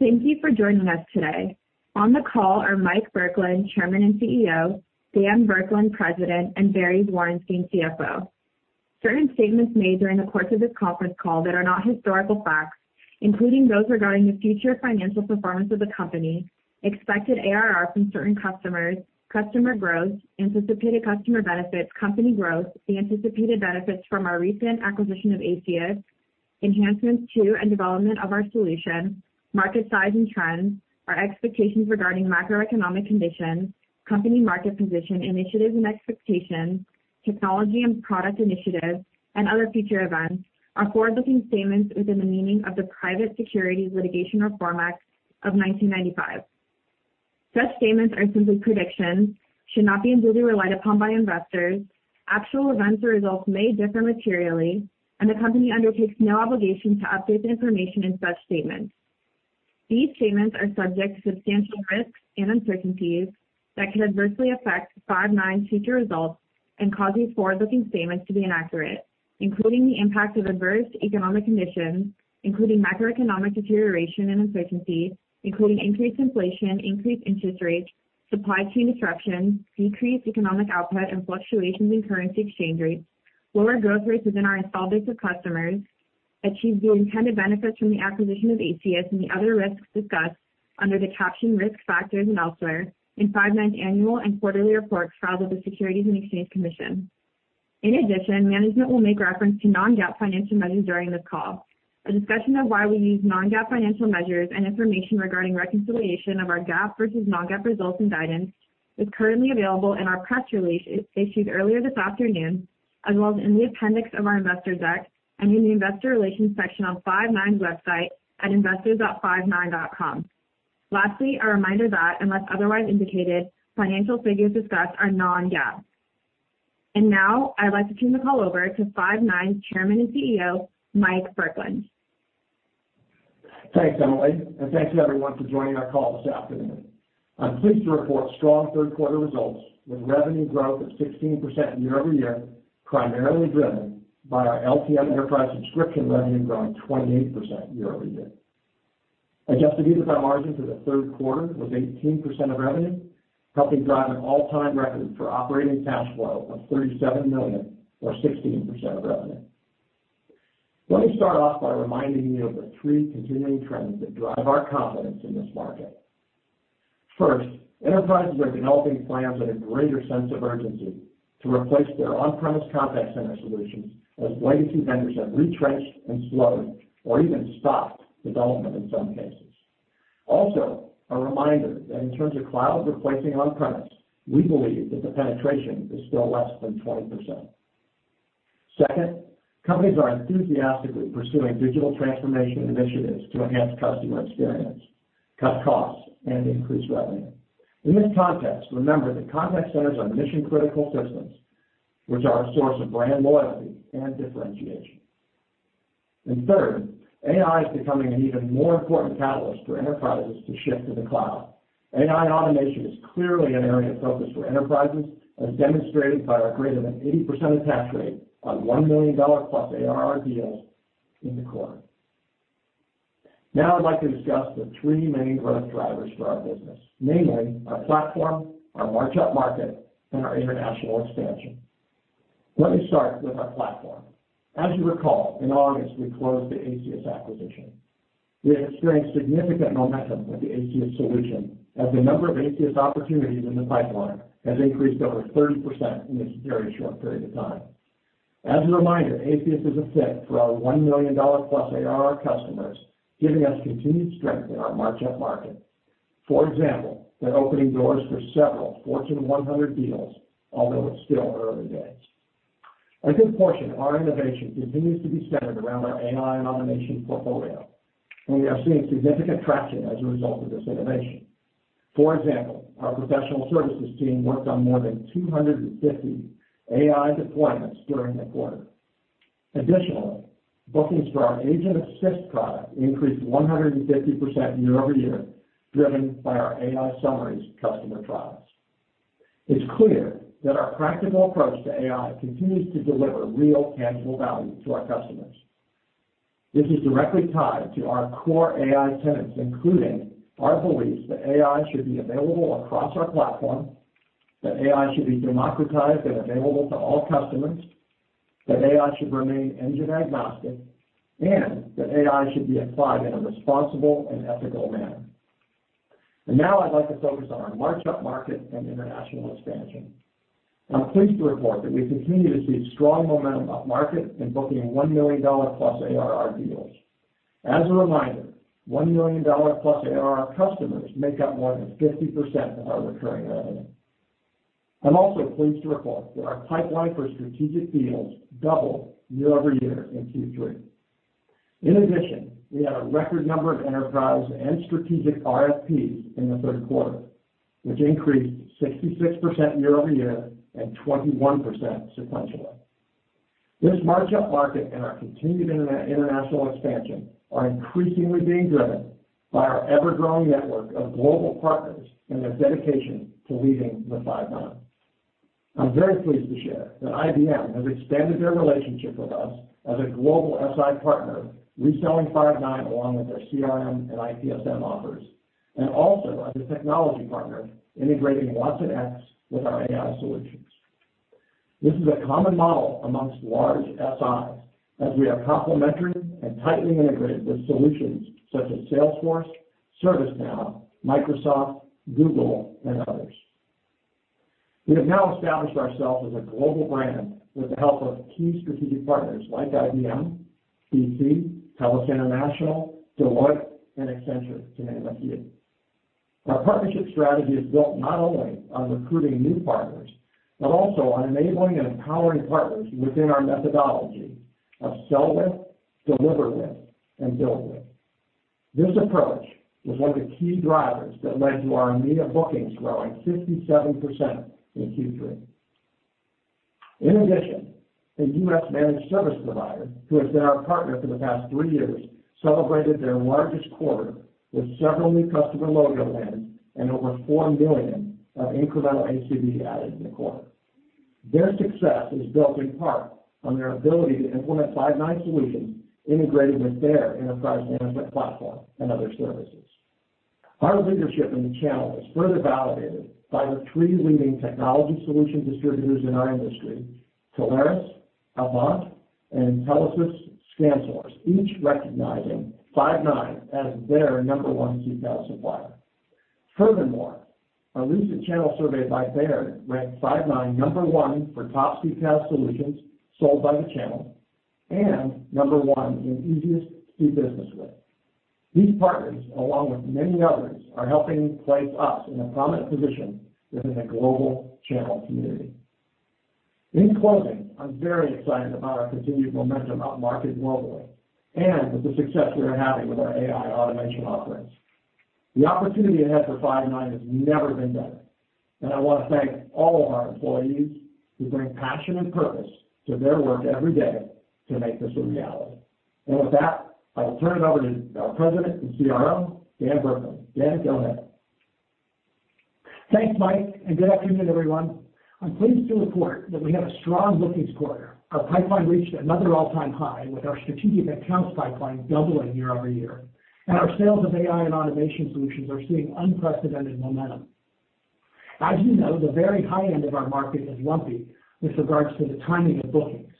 Thank you for joining us today. On the call are Mike Burkland, Chairman and CEO, Dan Burkland, President, and Barry Zwarenstein, CFO. Certain statements made during the course of this conference call that are not historical facts, including those regarding the future financial performance of the company, expected ARR from certain customers, customer growth, anticipated customer benefits, company growth, the anticipated benefits from our recent acquisition of Aceyus, enhancements to and development of our solution, market size and trends, our expectations regarding macroeconomic conditions, company market position, initiatives and expectations, technology and product initiatives, and other future events, are forward-looking statements within the meaning of the Private Securities Litigation Reform Act of 1995. Such statements are simply predictions, should not be unduly relied upon by investors. Actual events or results may differ materially, and the company undertakes no obligation to update the information in such statements. These statements are subject to substantial risks and uncertainties that could adversely affect Five9's future results and cause these forward-looking statements to be inaccurate, including the impact of adverse economic conditions, including macroeconomic deterioration and uncertainty, including increased inflation, increased interest rates, supply chain disruptions, decreased economic output, and fluctuations in currency exchange rates, lower growth rates within our installed base of customers, achieve the intended benefits from the acquisition of Aceyus, and the other risks discussed under the caption Risk Factors and elsewhere in Five9's annual and quarterly reports filed with the Securities and Exchange Commission. In addition, management will make reference to non-GAAP financial measures during this call. A discussion of why we use non-GAAP financial measures and information regarding reconciliation of our GAAP versus non-GAAP results and guidance is currently available in our press release issued earlier this afternoon, as well as in the appendix of our investors deck and in the Investor Relations section on Five9's website at investors.five9.com. Lastly, a reminder that, unless otherwise indicated, financial figures discussed are non-GAAP. Now I'd like to turn the call over to Five9's Chairman and CEO, Mike Burkland. Thanks, Emily, and thank you everyone for joining our call this afternoon. I'm pleased to report strong third quarter results, with revenue growth of 16% year-over-year, primarily driven by our LTM enterprise subscription revenue growing 28% year-over-year. Adjusted EBITDA margin for the third quarter was 18% of revenue, helping drive an all-time record for operating cash flow of $37 million or 16% of revenue. Let me start off by reminding you of the three continuing trends that drive our confidence in this market. First, enterprises are developing plans at a greater sense of urgency to replace their on-premise contact center solutions as legacy vendors have retrenched and slowed or even stopped development in some cases. Also, a reminder that in terms of cloud replacing on-premise, we believe that the penetration is still less than 20%. Second, companies are enthusiastically pursuing digital transformation initiatives to enhance customer experience, cut costs, and increase revenue. In this context, remember that contact centers are mission-critical systems, which are a source of brand loyalty and differentiation. Third, AI is becoming an even more important catalyst for enterprises to shift to the cloud. AI and automation is clearly an area of focus for enterprises, as demonstrated by our greater than 80% attach rate on $1 million plus ARR deals in the quarter. Now, I'd like to discuss the three main growth drivers for our business, namely, our platform, our march upmarket, and our international expansion. Let me start with our platform. As you recall, in August, we closed the Aceyus acquisition. We have experienced significant momentum with the Aceyus solution, as the number of Aceyus opportunities in the pipeline has increased over 30% in this very short period of time. As a reminder, Aceyus is a fit for our $1+ million ARR customers, giving us continued strength in our march upmarket. For example, they're opening doors for several Fortune 100 deals, although it's still early days. A good portion of our innovation continues to be centered around our AI and automation portfolio, and we are seeing significant traction as a result of this innovation. For example, our professional services team worked on more than 250 AI deployments during the quarter. Additionally, bookings for our Agent Assist product increased 150% year-over-year, driven by our AI summaries customer trials. It's clear that our practical approach to AI continues to deliver real, tangible value to our customers. This is directly tied to our core AI tenets, including our beliefs that AI should be available across our platform, that AI should be democratized and available to all customers, that AI should remain engine agnostic, and that AI should be applied in a responsible and ethical manner. Now I'd like to focus on our march upmarket and international expansion. I'm pleased to report that we continue to see strong momentum upmarket in booking $1+ million ARR deals. As a reminder, $1+ million ARR customers make up more than 50% of our recurring revenue. I'm also pleased to report that our pipeline for strategic deals doubled year-over-year in Q3. In addition, we had a record number of enterprise and strategic RFPs in the third quarter, which increased 66% year-over-year and 21% sequentially. This marked-up market and our continued international expansion are increasingly being driven by our ever-growing network of global partners and their dedication to leading with Five9. I'm very pleased to share that IBM has extended their relationship with us as a global SI partner, reselling Five9 along with their CRM and ITSM offers, and also as a technology partner, integrating watsonx with our AI solutions. This is a common model among large SIs, as we are complementary and tightly integrated with solutions such as Salesforce, ServiceNow, Microsoft, Google, and others. We have now established ourselves as a global brand with the help of key strategic partners like IBM, BT, TELUS International, Deloitte, and Accenture, to name a few. Our partnership strategy is built not only on recruiting new partners, but also on enabling and empowering partners within our methodology of sell with, deliver with, and build with. This approach was one of the key drivers that led to our EMEA bookings growing 57% in Q3. In addition, a U.S. managed service provider, who has been our partner for the past three years, celebrated their largest quarter with several new customer logo wins and over $4 million of incremental ACV added in the quarter. Their success is built in part on their ability to implement Five9 solutions integrated with their enterprise management platform and other services. Our leadership in the channel is further validated by the three leading technology solution distributors in our industry, Telarus, AVANT, and Intelisys ScanSource, each recognizing Five9 as their number one CCaaS supplier. Furthermore, a recent channel survey by Baird ranked Five9 number one for top CCaaS solutions sold by the channel, and number one in easiest to do business with. These partners, along with many others, are helping place us in a prominent position within the global channel community. In closing, I'm very excited about our continued momentum upmarket globally, and with the success we are having with our AI automation offerings. The opportunity ahead for Five9 has never been better, and I want to thank all of our employees who bring passion and purpose to their work every day to make this a reality. And with that, I will turn it over to our President and CRO, Dan Burkland. Dan, go ahead. Thanks, Mike, and good afternoon, everyone. I'm pleased to report that we had a strong bookings quarter. Our pipeline reached another all-time high, with our strategic accounts pipeline doubling year-over-year, and our sales of AI and automation solutions are seeing unprecedented momentum. As you know, the very high end of our market is lumpy with regards to the timing of bookings.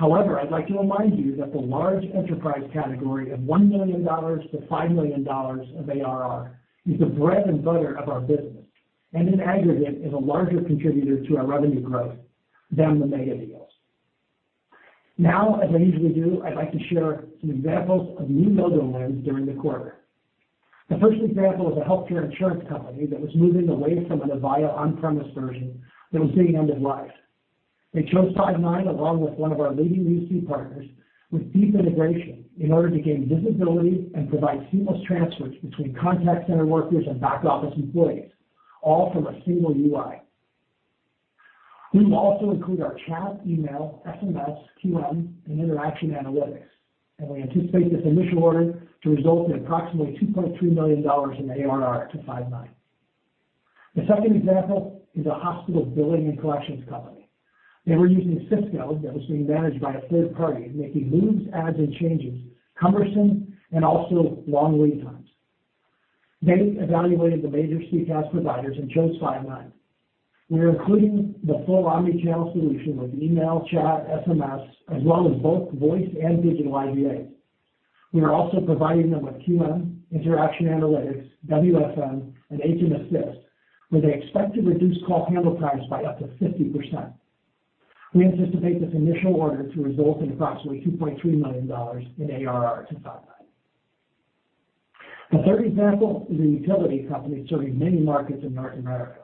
However, I'd like to remind you that the large enterprise category of $1 million-$5 million of ARR is the bread and butter of our business, and in aggregate, is a larger contributor to our revenue growth than the mega deals. Now, as I usually do, I'd like to share some examples of new logo wins during the quarter. The first example is a healthcare insurance company that was moving away from an Avaya on-premise version that was seeing end of life. They chose Five9 along with one of our leading UC partners with deep integration in order to gain visibility and provide seamless transfers between contact center workers and back office employees, all from a single UI. We will also include our chat, email, SMS, QM, and interaction analytics, and we anticipate this initial order to result in approximately $2.2 million in ARR to Five9. The second example is a hospital billing and collections company. They were using Cisco that was being managed by a third party, making moves, adds, and changes cumbersome and also long lead times. They evaluated the major CCaaS providers and chose Five9. We are including the full omnichannel solution with email, chat, SMS, as well as both voice and digital IVAs. We are also providing them with QM, interaction analytics, WFM, and Agent Assist, where they expect to reduce call handle times by up to 50%. We anticipate this initial order to result in approximately $2.3 million in ARR to Five9. The third example is a utility company serving many markets in North America.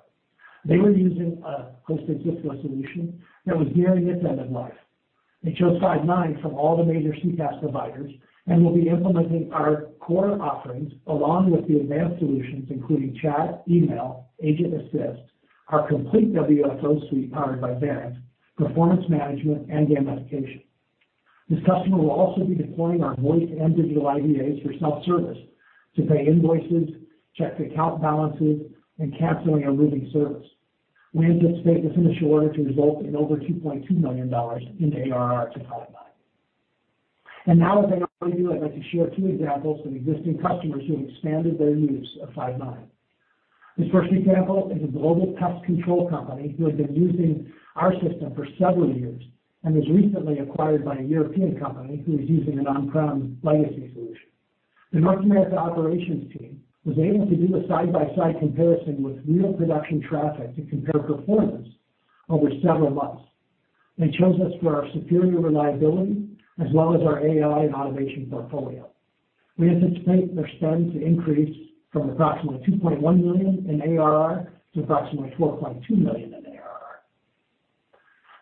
They were using a hosted Cisco solution that was nearing its end of life. They chose Five9 from all the major CCaaS providers and will be implementing our core offerings along with the advanced solutions, including chat, email, Agent Assist, our complete WFO suite powered by Verint, performance management, and gamification. This customer will also be deploying our voice and digital IVAs for self-service to pay invoices, check account balances, and canceling or moving service. We anticipate this initial order to result in over $2.2 million in ARR to Five9. Now, as I usually do, I'd like to share two examples of existing customers who expanded their use of Five9. This first example is a global pest control company who has been using our system for several years and was recently acquired by a European company who is using an on-prem legacy solution. The North America operations team was able to do a side-by-side comparison with real production traffic to compare performance over several months. They chose us for our superior reliability as well as our AI and automation portfolio. We anticipate their spend to increase from approximately $2.1 million in ARR to approximately $4.2 million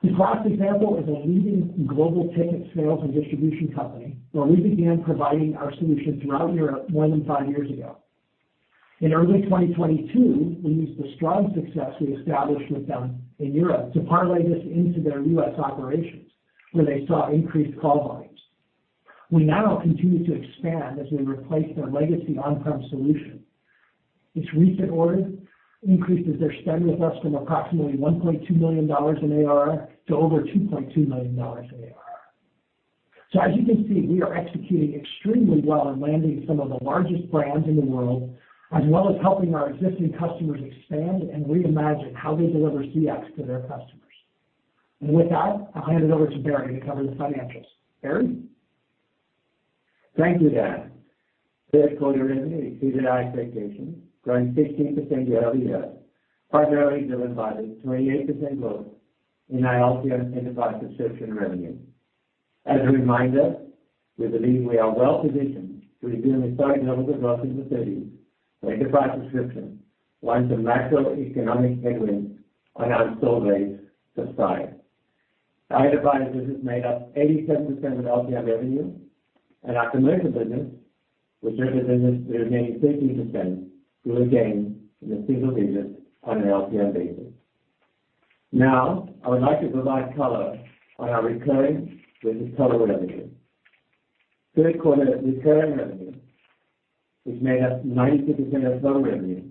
in ARR. The last example is a leading global ticket sales and distribution company, where we began providing our solution throughout Europe more than five years ago. In early 2022, we used the strong success we established with them in Europe to parlay this into their U.S. operations, where they saw increased call volumes. We now continue to expand as we replace their legacy on-prem solution. This recent order increases their spend with us from approximately $1.2 million in ARR to over $2.2 million in ARR. So as you can see, we are executing extremely well in landing some of the largest brands in the world, as well as helping our existing customers expand and reimagine how they deliver CX to their customers. And with that, I'll hand it over to Barry to cover the financials. Barry? Thank you, Dan. Third quarter revenue exceeded our expectations, growing 16% year-over-year, primarily driven by the 28% growth in LTM and enterprise subscription revenue. As a reminder, we believe we are well positioned to resume historic levels of growth in the 30s enterprise subscription once the macroeconomic headwinds on our install base subside. Our enterprise business made up 87% of LTM revenue, and our commercial business, which represented the remaining 13%, grew again in the single digits on an LTM basis. Now, I would like to provide color on our recurring business total revenue. Third quarter recurring revenue, which made up 92% of total revenue,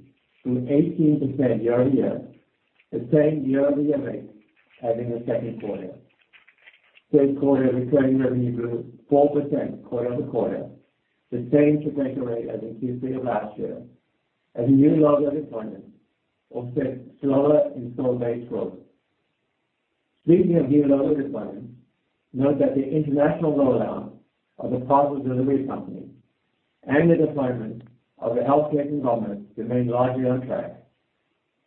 grew 18% year-over-year, the same year-over-year rate as in the second quarter. Third quarter recurring revenue grew 4% quarter-over-quarter, the same sequential rate as in Q3 of last year, as new logo deployments offset slower install base growth. Speaking of new logo deployments, note that the international rollout of a popular delivery company and the deployment of the healthcare conglomerate remained largely on track,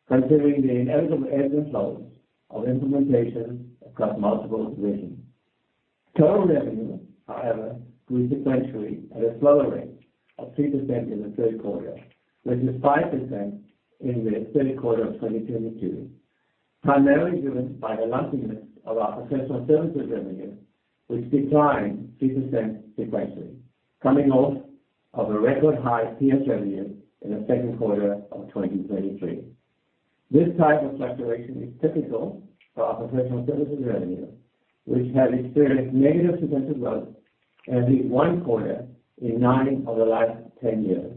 considering the inevitable ebbs and flows of implementation across multiple divisions. Total revenue, however, grew sequentially at a slower rate of 3% in the third quarter, which is 5% in the third quarter of 2022, primarily driven by the lumpiness of our professional services revenue, which declined 6% sequentially, coming off of a record high PS revenue in the second quarter of 2023. This type of fluctuation is typical for our professional services revenue, which has experienced negative sequential growth in at least one quarter in nine of the last 10 years.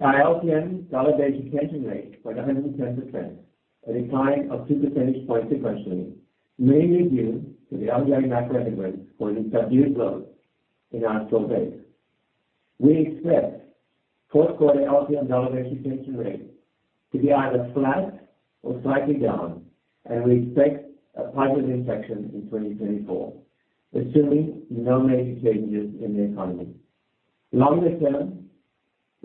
Our LTM dollar-based retention rate 110%, a decline of two percentage points sequentially, mainly due to the underlying macroeconomic for the subdued growth in our install base. We expect fourth quarter LTM dollar-based retention rate to be either flat or slightly down, and we expect a positive inflection in 2024, assuming no major changes in the economy. Longer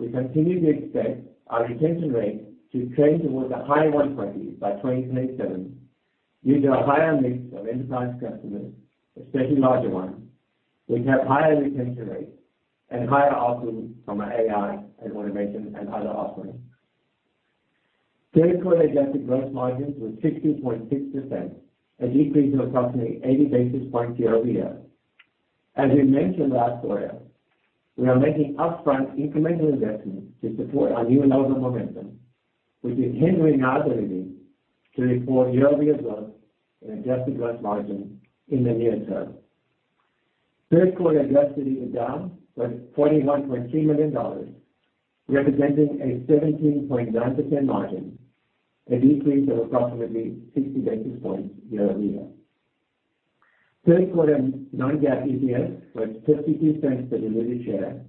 term, we continue to expect our retention rate to trend towards a high 120s by 2027, due to a higher mix of enterprise customers, especially larger ones, which have higher retention rates and higher offerings from our AI and automation and other offerings. Third quarter adjusted gross margins were 60.6%, a decrease of approximately 80 basis points year-over-year. As we mentioned last quarter, we are making upfront incremental investments to support our new logo momentum, which is hindering our ability to report year-over-year growth in adjusted gross margin in the near term. Third quarter Adjusted EBITDA was $41.3 million, representing a 17.9% margin, a decrease of approximately 60 basis points year-over-year. Third quarter non-GAAP EPS was $0.52 per diluted share,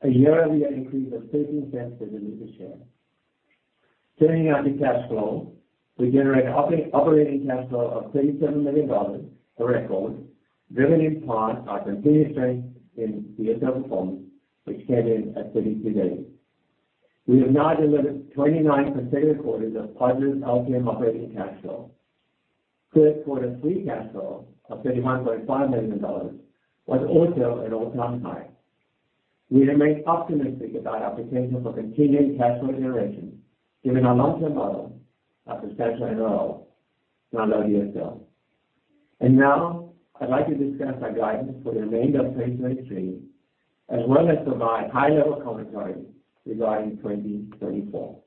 a year-over-year increase of $0.13 per diluted share. Turning now to cash flow, we generated operating cash flow of $37 million, a record, driven in part by continued strength in DSO, which came in at 32 days. We have now delivered 29 consecutive quarters of positive LTM operating cash flow. Third quarter free cash flow of $31.5 million was also an all-time high. We remain optimistic about our potential for continuing cash flow generation, given our long-term model of potential and low, low DSO. Now, I'd like to discuss our guidance for the remainder of 2023, as well as provide high-level commentary regarding 2024.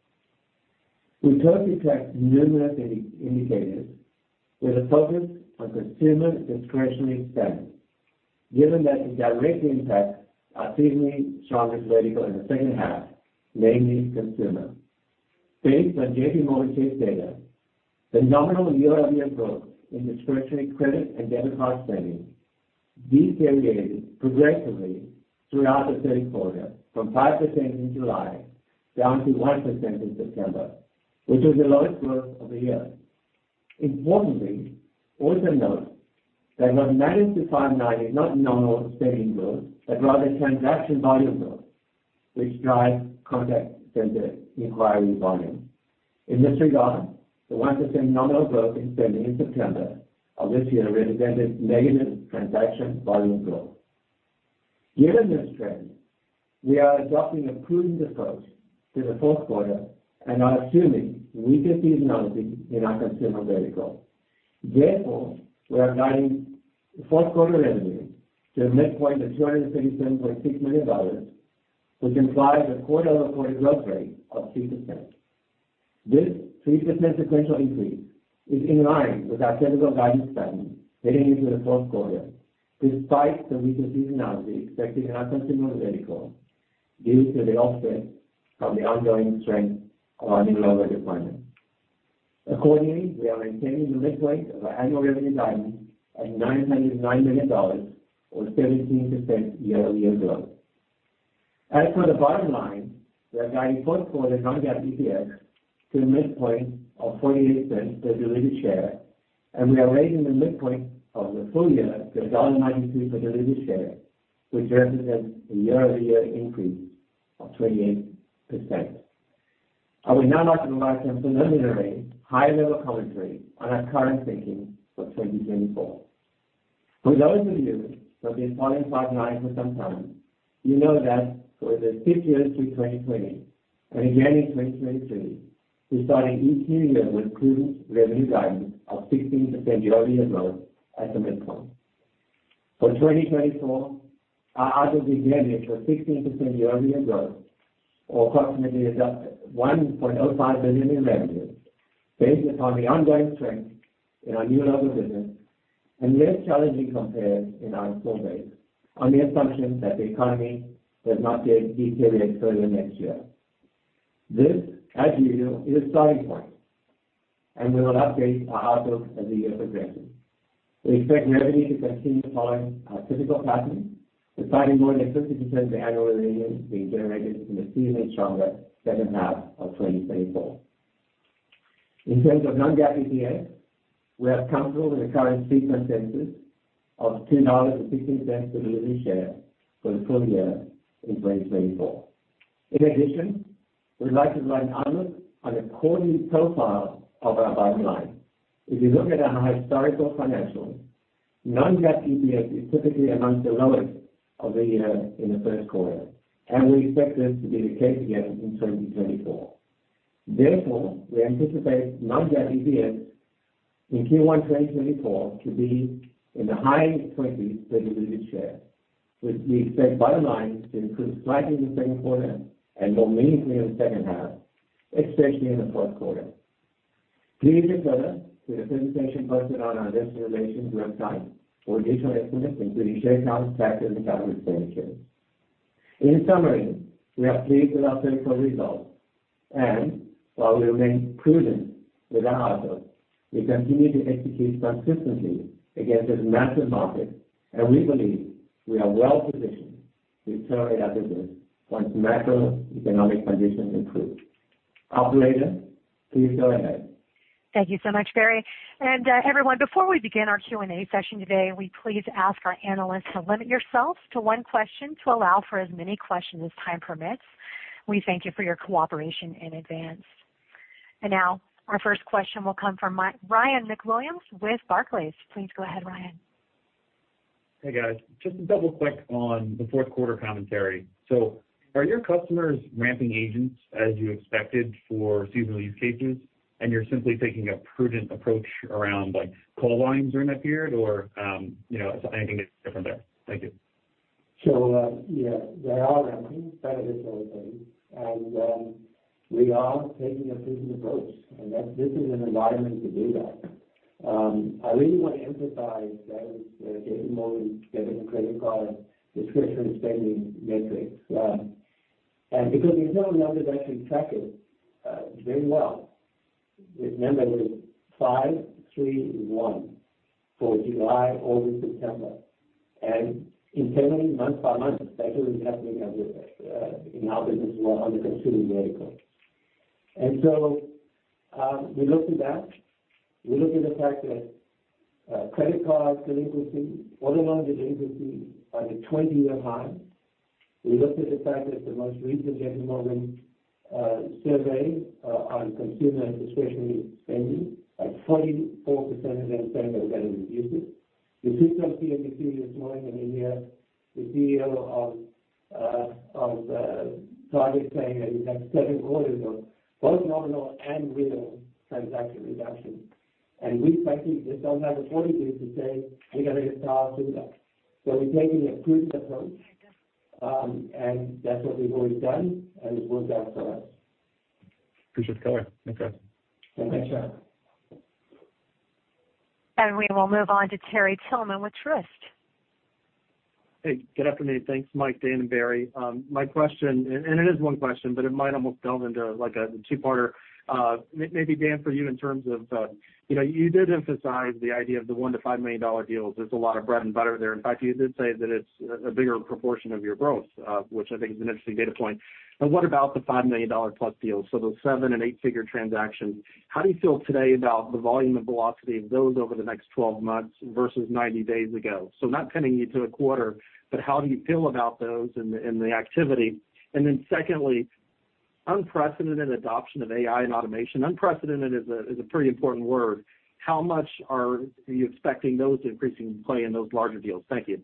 We closely track numerous indicators, with a focus on consumer discretionary spending, given that the direct impacts are seen in the strongest vertical in the second half, namely consumer. Based on JPMorgan Chase data, the nominal year-over-year growth in discretionary credit and debit card spending decelerated progressively throughout the third quarter, from 5% in July down to 1% in September, which is the lowest growth of the year. Importantly, also note that what matters to point out is not normal spending growth, but rather transaction volume growth, which drives contact center inquiry volume. In this regard, the 1% nominal growth in spending in September of this year represented negative transaction volume growth. Given this trend, we are adopting a prudent approach to the fourth quarter and are assuming weaker seasonality in our consumer vertical. Therefore, we are guiding fourth quarter revenue to the midpoint of $237.6 million, which implies a quarter-over-quarter growth rate of 2%. This 3% sequential increase is in line with our typical guidance pattern heading into the fourth quarter, despite the weaker seasonality expected in our consumer vertical, due to the offset of the ongoing strength of our new logo deployment. Accordingly, we are maintaining the midpoint of our annual revenue guidance at $909 million, or 17% year-over-year growth. As for the bottom line, we are guiding fourth quarter non-GAAP EPS to the midpoint of $0.48 per diluted share, and we are raising the midpoint of the full year to $1.92 per diluted share, which represents a year-over-year increase of 28%. I would now like to provide some preliminary high-level commentary on our current thinking for 2024. For those of you who have been following Five9 for some time, you know that for the six years through 2020 and again in 2023, we started each year with prudent revenue guidance of 16% year-over-year growth as a midpoint. For 2024, our outlook is again here for 16% year-over-year growth or approximately $1.05 billion in revenue, based upon the ongoing strength in our new logo business and less challenging compares in our install base, on the assumption that the economy does not deteriorate further next year. This, as usual, is a starting point, and we will update our outlook as the year progresses. We expect revenue to continue to follow our typical pattern, with slightly more than 50% of the annual revenue being generated in the seasonally stronger second half of 2024. In terms of non-GAAP EPS, we are comfortable in the current Street consensus of $2.60 per diluted share for the full year in 2024. In addition, we'd like to provide guidance on the quarterly profile of our bottom line. If you look at our historical financials, non-GAAP EPS is typically among the lowest of the year in the first quarter, and we expect this to be the case again in 2024. Therefore, we anticipate non-GAAP EPS in Q1 2024 to be in the high 20s per diluted share, with we expect bottom line to improve slightly in the second quarter and more meaningfully in the second half, especially in the fourth quarter. Please refer to the presentation posted on our investor relations website for additional information, including share count factors and accounting changes. In summary, we are pleased with our third quarter results. While we remain prudent with our outlook, we continue to execute consistently against this massive market, and we believe we are well positioned to accelerate our business once macroeconomic conditions improve. Operator, please go ahead. Thank you so much, Barry. And, everyone, before we begin our Q&A session today, we please ask our analysts to limit yourselves to one question, to allow for as many questions as time permits. We thank you for your cooperation in advance. And now our first question will come from Ryan MacWilliams with Barclays. Please go ahead, Ryan. Hey, guys. Just to double-click on the fourth quarter commentary: So are your customers ramping agents as you expected for seasonal use cases, and you're simply taking a prudent approach around, like, call volumes during that period? Or, you know, anything that's different there? Thank you. So, yeah, they are ramping, that is the only thing. And we are taking a prudent approach, and that's this is an environment to do that. I really want to emphasize that the JPMorgan credit card discretionary spending metrics. And because there's nominal numbers actually tracked very well, remember, it was five, three, one for July, August, September, and in 10, 9 months by month, that is happening as in our business model on the consumer vertical. And so, we look to that. We look at the fact that credit card delinquency, auto loan delinquency are at a 20-year high. We look at the fact that the most recent JPMorgan survey on consumer discretionary spending, like 44% of them saying they're going to reduce it. You see some CNBC this morning, and in here, the CEO of Target saying that he's had seven quarters of both nominal and real transaction reduction. And we frankly just don't have the fortitude to say we're going to get caught up in that. So we're taking a prudent approach, and that's what we've always done, and it worked out for us. Appreciate the color. Thanks, guys. Thanks, Ryan. We will move on to Terrell Tillman with Truist. Hey, good afternoon. Thanks, Mike, Dan, and Barry. My question, and it is one question, but it might almost delve into, like, a two-parter. Maybe Dan, for you, in terms of, you know, you did emphasize the idea of the $1 million-$5 million deals. There's a lot of bread and butter there. In fact, you did say that it's a bigger proportion of your growth, which I think is an interesting data point. But what about the $5 million plus deals, so those seven- and eight-figure transactions? How do you feel today about the volume and velocity of those over the next 12 months versus 90 days ago? So not pinning you to a quarter, but how do you feel about those and the activity? And then secondly, unprecedented adoption of AI and automation. Unprecedented is a pretty important word. How much are you expecting those to increase in play in those larger deals? Thank you.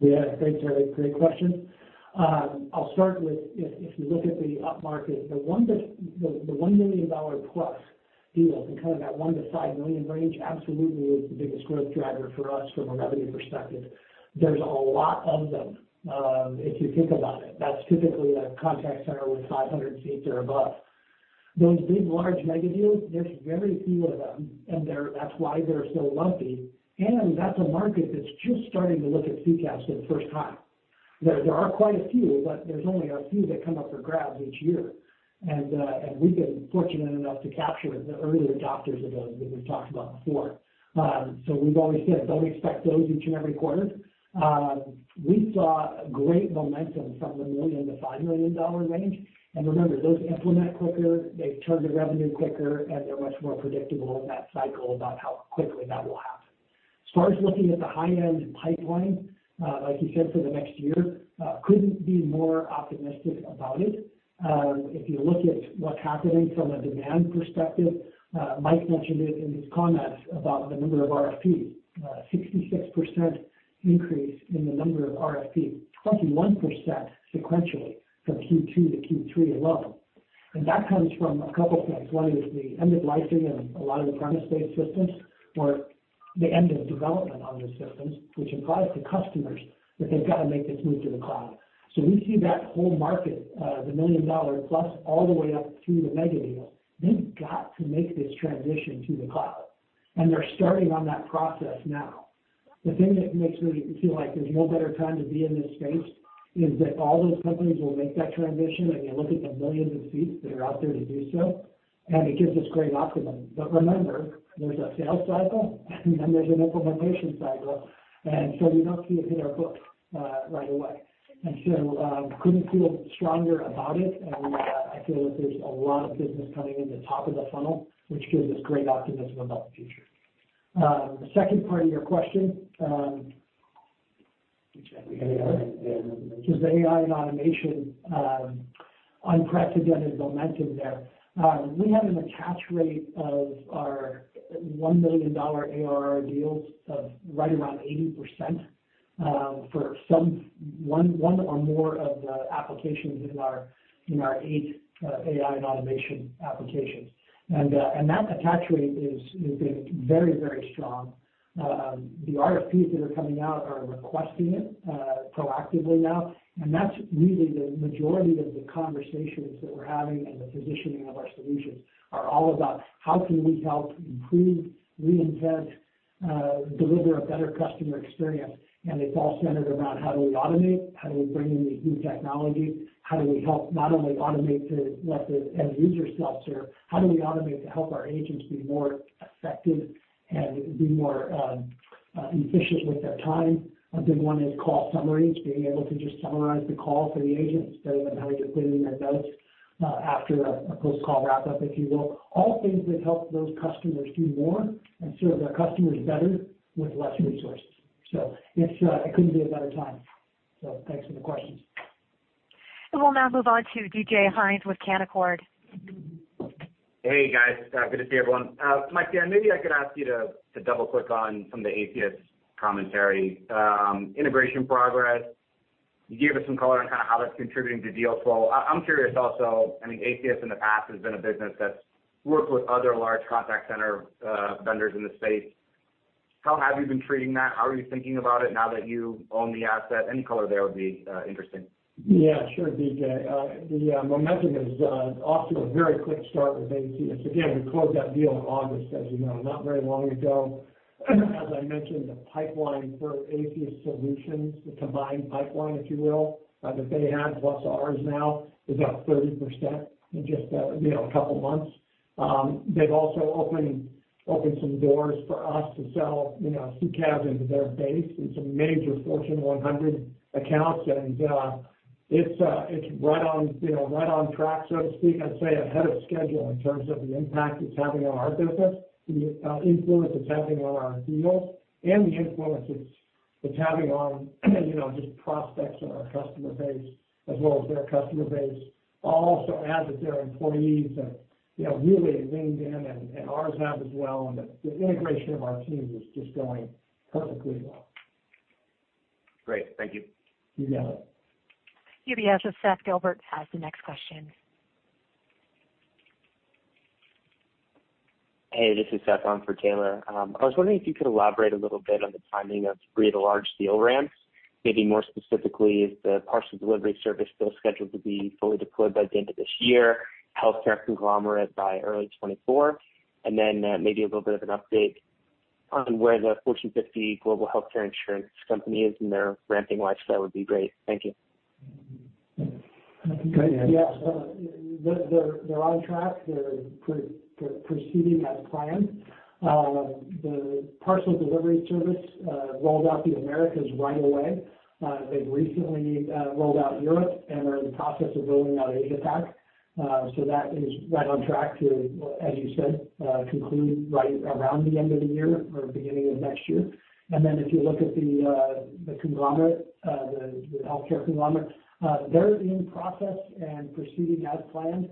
Yeah, thanks, Terry. Great question. I'll start with if you look at the upmarket, the $1 million plus deals and kind of that $1-$5 million range absolutely is the biggest growth driver for us from a revenue perspective. There's a lot of them, if you think about it. That's typically a contact center with 500 seats or above. Those big, large mega deals, there's very few of them, and they're, that's why they're so lumpy. And that's a market that's just starting to look at CCaaS for the first time. There are quite a few, but there's only a few that come up for grabs each year. And we've been fortunate enough to capture the early adopters of those that we've talked about before. So we've always said, don't expect those each and every quarter. We saw great momentum from the $1 million-$5 million range. And remember, those implement quicker, they turn to revenue quicker, and they're much more predictable in that cycle about how quickly that will happen. As far as looking at the high end in pipeline, like you said, for the next year, couldn't be more optimistic about it. If you look at what's happening from a demand perspective, Mike mentioned it in his comments about the number of RFPs, 66% increase in the number of RFPs, 21% sequentially from Q2 to Q3 alone. And that comes from a couple things. One is the end of lifeing and a lot of the premise-based systems, or the end of development on those systems, which implies to customers that they've got to make this move to the cloud. So we see that whole market, the $1 million plus all the way up through the mega deals, they've got to make this transition to the cloud, and they're starting on that process now. The thing that makes me feel like there's no better time to be in this space is that all those companies will make that transition, and you look at the millions of seats that are out there to do so, and it gives us great optimism. But remember, there's a sales cycle, and then there's an implementation cycle, and so we don't see it in our books right away. And so, couldn't feel stronger about it, and, I feel like there's a lot of business coming in the top of the funnel, which gives us great optimism about the future. The second part of your question... Which I think- It's AI and automation, unprecedented momentum there. We have an attach rate of our $1 million ARR deals of right around 80%, for one or more of the applications in our eight AI and automation applications. And that attach rate has been very, very strong. The RFPs that are coming out are requesting it proactively now, and that's really the majority of the conversations that we're having and the positioning of our solutions are all about how can we help improve, reinvent, deliver a better customer experience? And it's all centered around how do we automate? How do we bring in the new technology? How do we help not only automate the, what the end user self-serve, how do we automate to help our agents be more effective and be more efficient with their time? A big one is call summaries, being able to just summarize the call for the agent instead of them having to put it in their notes after a close call wrap up, if you will. All things that help those customers do more and serve their customers better with less resources. So it's, it couldn't be a better time. So thanks for the questions. We'll now move on to DJ Hynes with Canaccord. Hey, guys, good to see everyone. Mike, maybe I could ask you to double-click on some of the Aceyus commentary. Integration progress. You gave us some color on kind of how that's contributing to deal flow. I'm curious also, I mean, Aceyus in the past has been a business that's worked with other large contact center vendors in the space. How have you been treating that? How are you thinking about it now that you own the asset? Any color there would be interesting. Yeah, sure, DJ. The momentum is off to a very quick start with Aceyus. Again, we closed that deal in August, as you know, not very long ago. As I mentioned, the pipeline for Aceyus solutions, the combined pipeline, if you will, that they had plus ours now, is up 30% in just, you know, a couple of months. They've also opened some doors for us to sell, you know, CCaaS into their base. It's a major Fortune 100 accounts, and it's right on, you know, right on track, so to speak. I'd say ahead of schedule in terms of the impact it's having on our business, the influence it's having on our deals, and the influence it's having on, you know, just prospects in our customer base as well as their customer base. I'll also add that their employees have, you know, really leaned in and ours have as well, and the integration of our teams is just going perfectly well. Great. Thank you. You got it. UBS's Seth Gilbert has the next question. Hey, this is Seth on for Taylor. I was wondering if you could elaborate a little bit on the timing of three of the large deal ramps. Maybe more specifically, is the parcel delivery service still scheduled to be fully deployed by the end of this year, healthcare conglomerate by early 2024? And then, maybe a little bit of an update on where the Fortune 50 global healthcare insurance company is in their ramping lifestyle would be great. Thank you. Yes, they're on track. They're proceeding as planned. The parcel delivery service rolled out the Americas right away. They've recently rolled out Europe, and they're in the process of rolling out Asia-Pac. So that is right on track to, as you said, conclude right around the end of the year or beginning of next year. And then if you look at the conglomerate, the healthcare conglomerate, they're in process and proceeding as planned.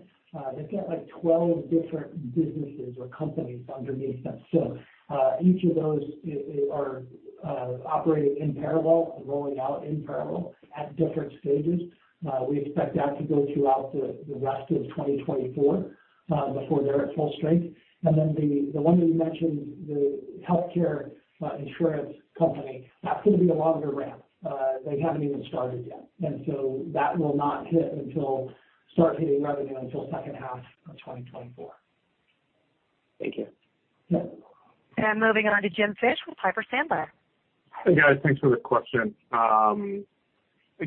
They've got, like, 12 different businesses or companies underneath them. So each of those are operating in parallel, rolling out in parallel at different stages. We expect that to go throughout the rest of 2024 before they're at full strength. Then the one you mentioned, the healthcare insurance company, that's going to be a longer ramp. They haven't even started yet. And so that will not hit until start hitting revenue until second half of 2024.... Thank you. Moving on to Jim Fish with Piper Sandler. Hey, guys, thanks for the question. I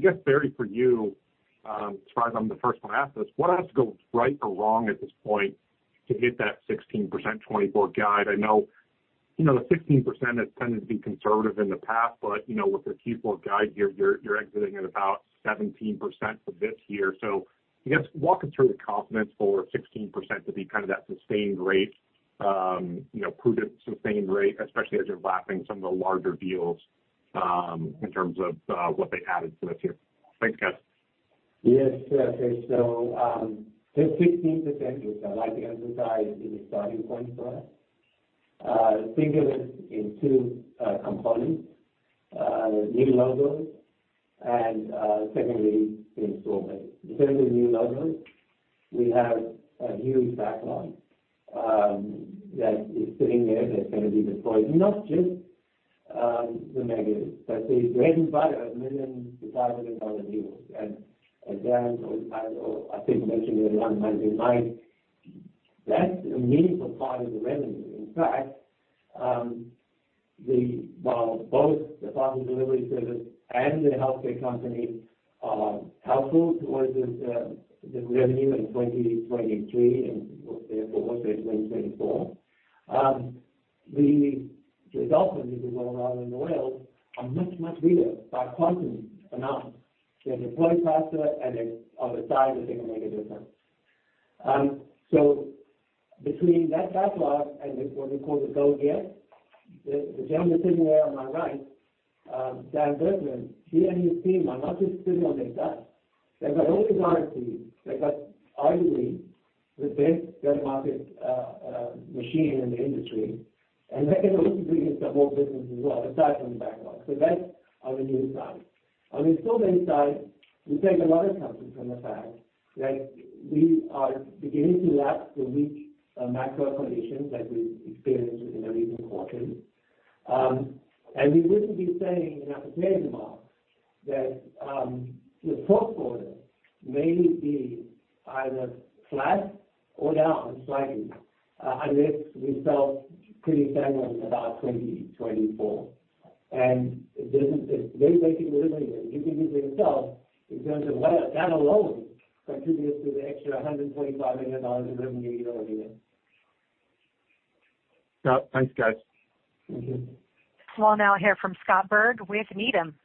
guess, Barry, for you, as far as I'm the first one to ask this, what has to go right or wrong at this point to hit that 16% 2024 guide? I know, you know, the 16% has tended to be conservative in the past, but, you know, with the Q4 guide here, you're, you're exiting at about 17% for this year. So I guess walk us through the confidence for 16% to be kind of that sustained rate, you know, prudent, sustained rate, especially as you're lapping some of the larger deals, in terms of, what they added to this year. Thanks, guys. Yes, sure, Jim. The 16%, which I'd like to emphasize, is a starting point for us. Think of it in two components: new logos and, secondly, installment. In terms of new logos, we have a huge backlog that is sitting there, that's going to be deployed, not just the mega deals, but the bread and butter of $1 million to $500,000 deals. As Dan or I, or I think, mentioned earlier on, 99, that's a meaningful part of the revenue. In fact, while both the final delivery service and the healthcare company are helpful towards this, the revenue in 2023, and therefore, in 2024, the results of these going out in the world are much, much bigger by quantity enough. They're deployed faster, and they're of a size that they can make a difference. So between that backlog and what we call the go get, the gentleman sitting there on my right, Dan Burkland, he and his team are not just sitting on their guts. They've got all the guarantees. They've got, arguably, the best go-to-market machine in the industry, and they can also bring in some more business as well, aside from the backlog. So that's on the new side. On the install base side, we take a lot of comfort from the fact that we are beginning to lap the weak macro conditions that we've experienced in the recent quarters. And we wouldn't be saying, you know, today, tomorrow, that the fourth quarter may be either flat or down slightly, unless we sell pretty strongly in about 2024. The business is very basic delivery, you can do it yourself in terms of that alone contributes to the extra $125 million in revenue year-over-year. Yeah. Thanks, guys. Mm-hmm. We'll now hear from Scott Berg with Needham.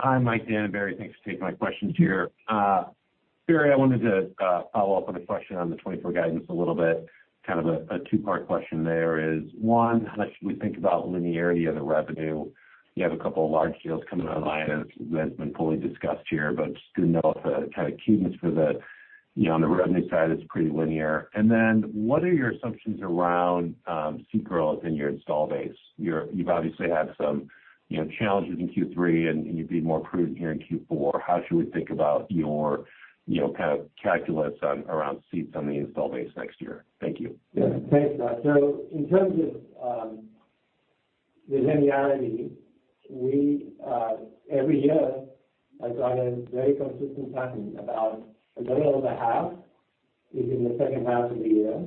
Hi, Mike, Dan, and Barry. Thanks for taking my questions here. Barry, I wanted to follow up on a question on the 2024 guidance a little bit. Kind of a two-part question there is, one, how should we think about linearity of the revenue? You have a couple of large deals coming online, as has been fully discussed here, but just good to know if the kind of cadence for the, you know, on the revenue side is pretty linear. And then what are your assumptions around seat growth in your install base? You've obviously had some, you know, challenges in Q3, and you'd be more prudent here in Q4. How should we think about your, you know, kind of calculus on around seats on the install base next year? Thank you. Yeah. Thanks, Scott. So in terms of the linearity, we every year I saw a very consistent pattern, about a little over half is in the second half of the year,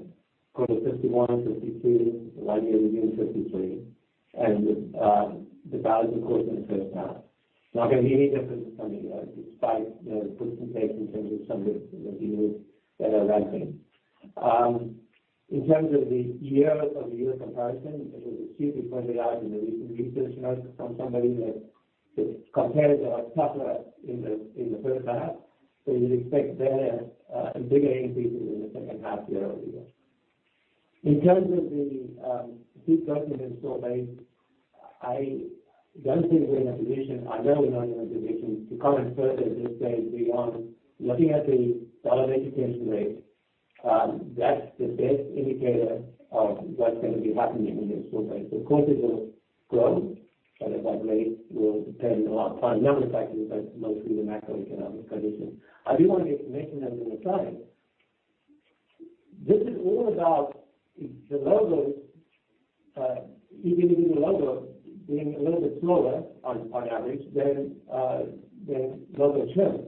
call it 51, 52, likely it'll be 53, and the balance, of course, in the first half. Not going to be any different this coming year, despite the puts and takes in terms of some of the reviews that are happening. In terms of the year-over-year comparison, which is acutely pointed out in the recent research note from somebody that compares our tougher in the first half, so you'd expect there bigger increases in the second half year-over-year. In terms of the seat growth in the install base, I don't think we're in a position, I know we're not in a position to comment further at this stage beyond looking at the dollar retention rate, that's the best indicator of what's going to be happening in the install base. Of course, it will grow, but that rate will depend on a lot of fundamental factors, but mostly the macroeconomic conditions. I do want to get to mention as in the time, this is all about the logos, even if the logo being a little bit slower on, on average than, than logo retention.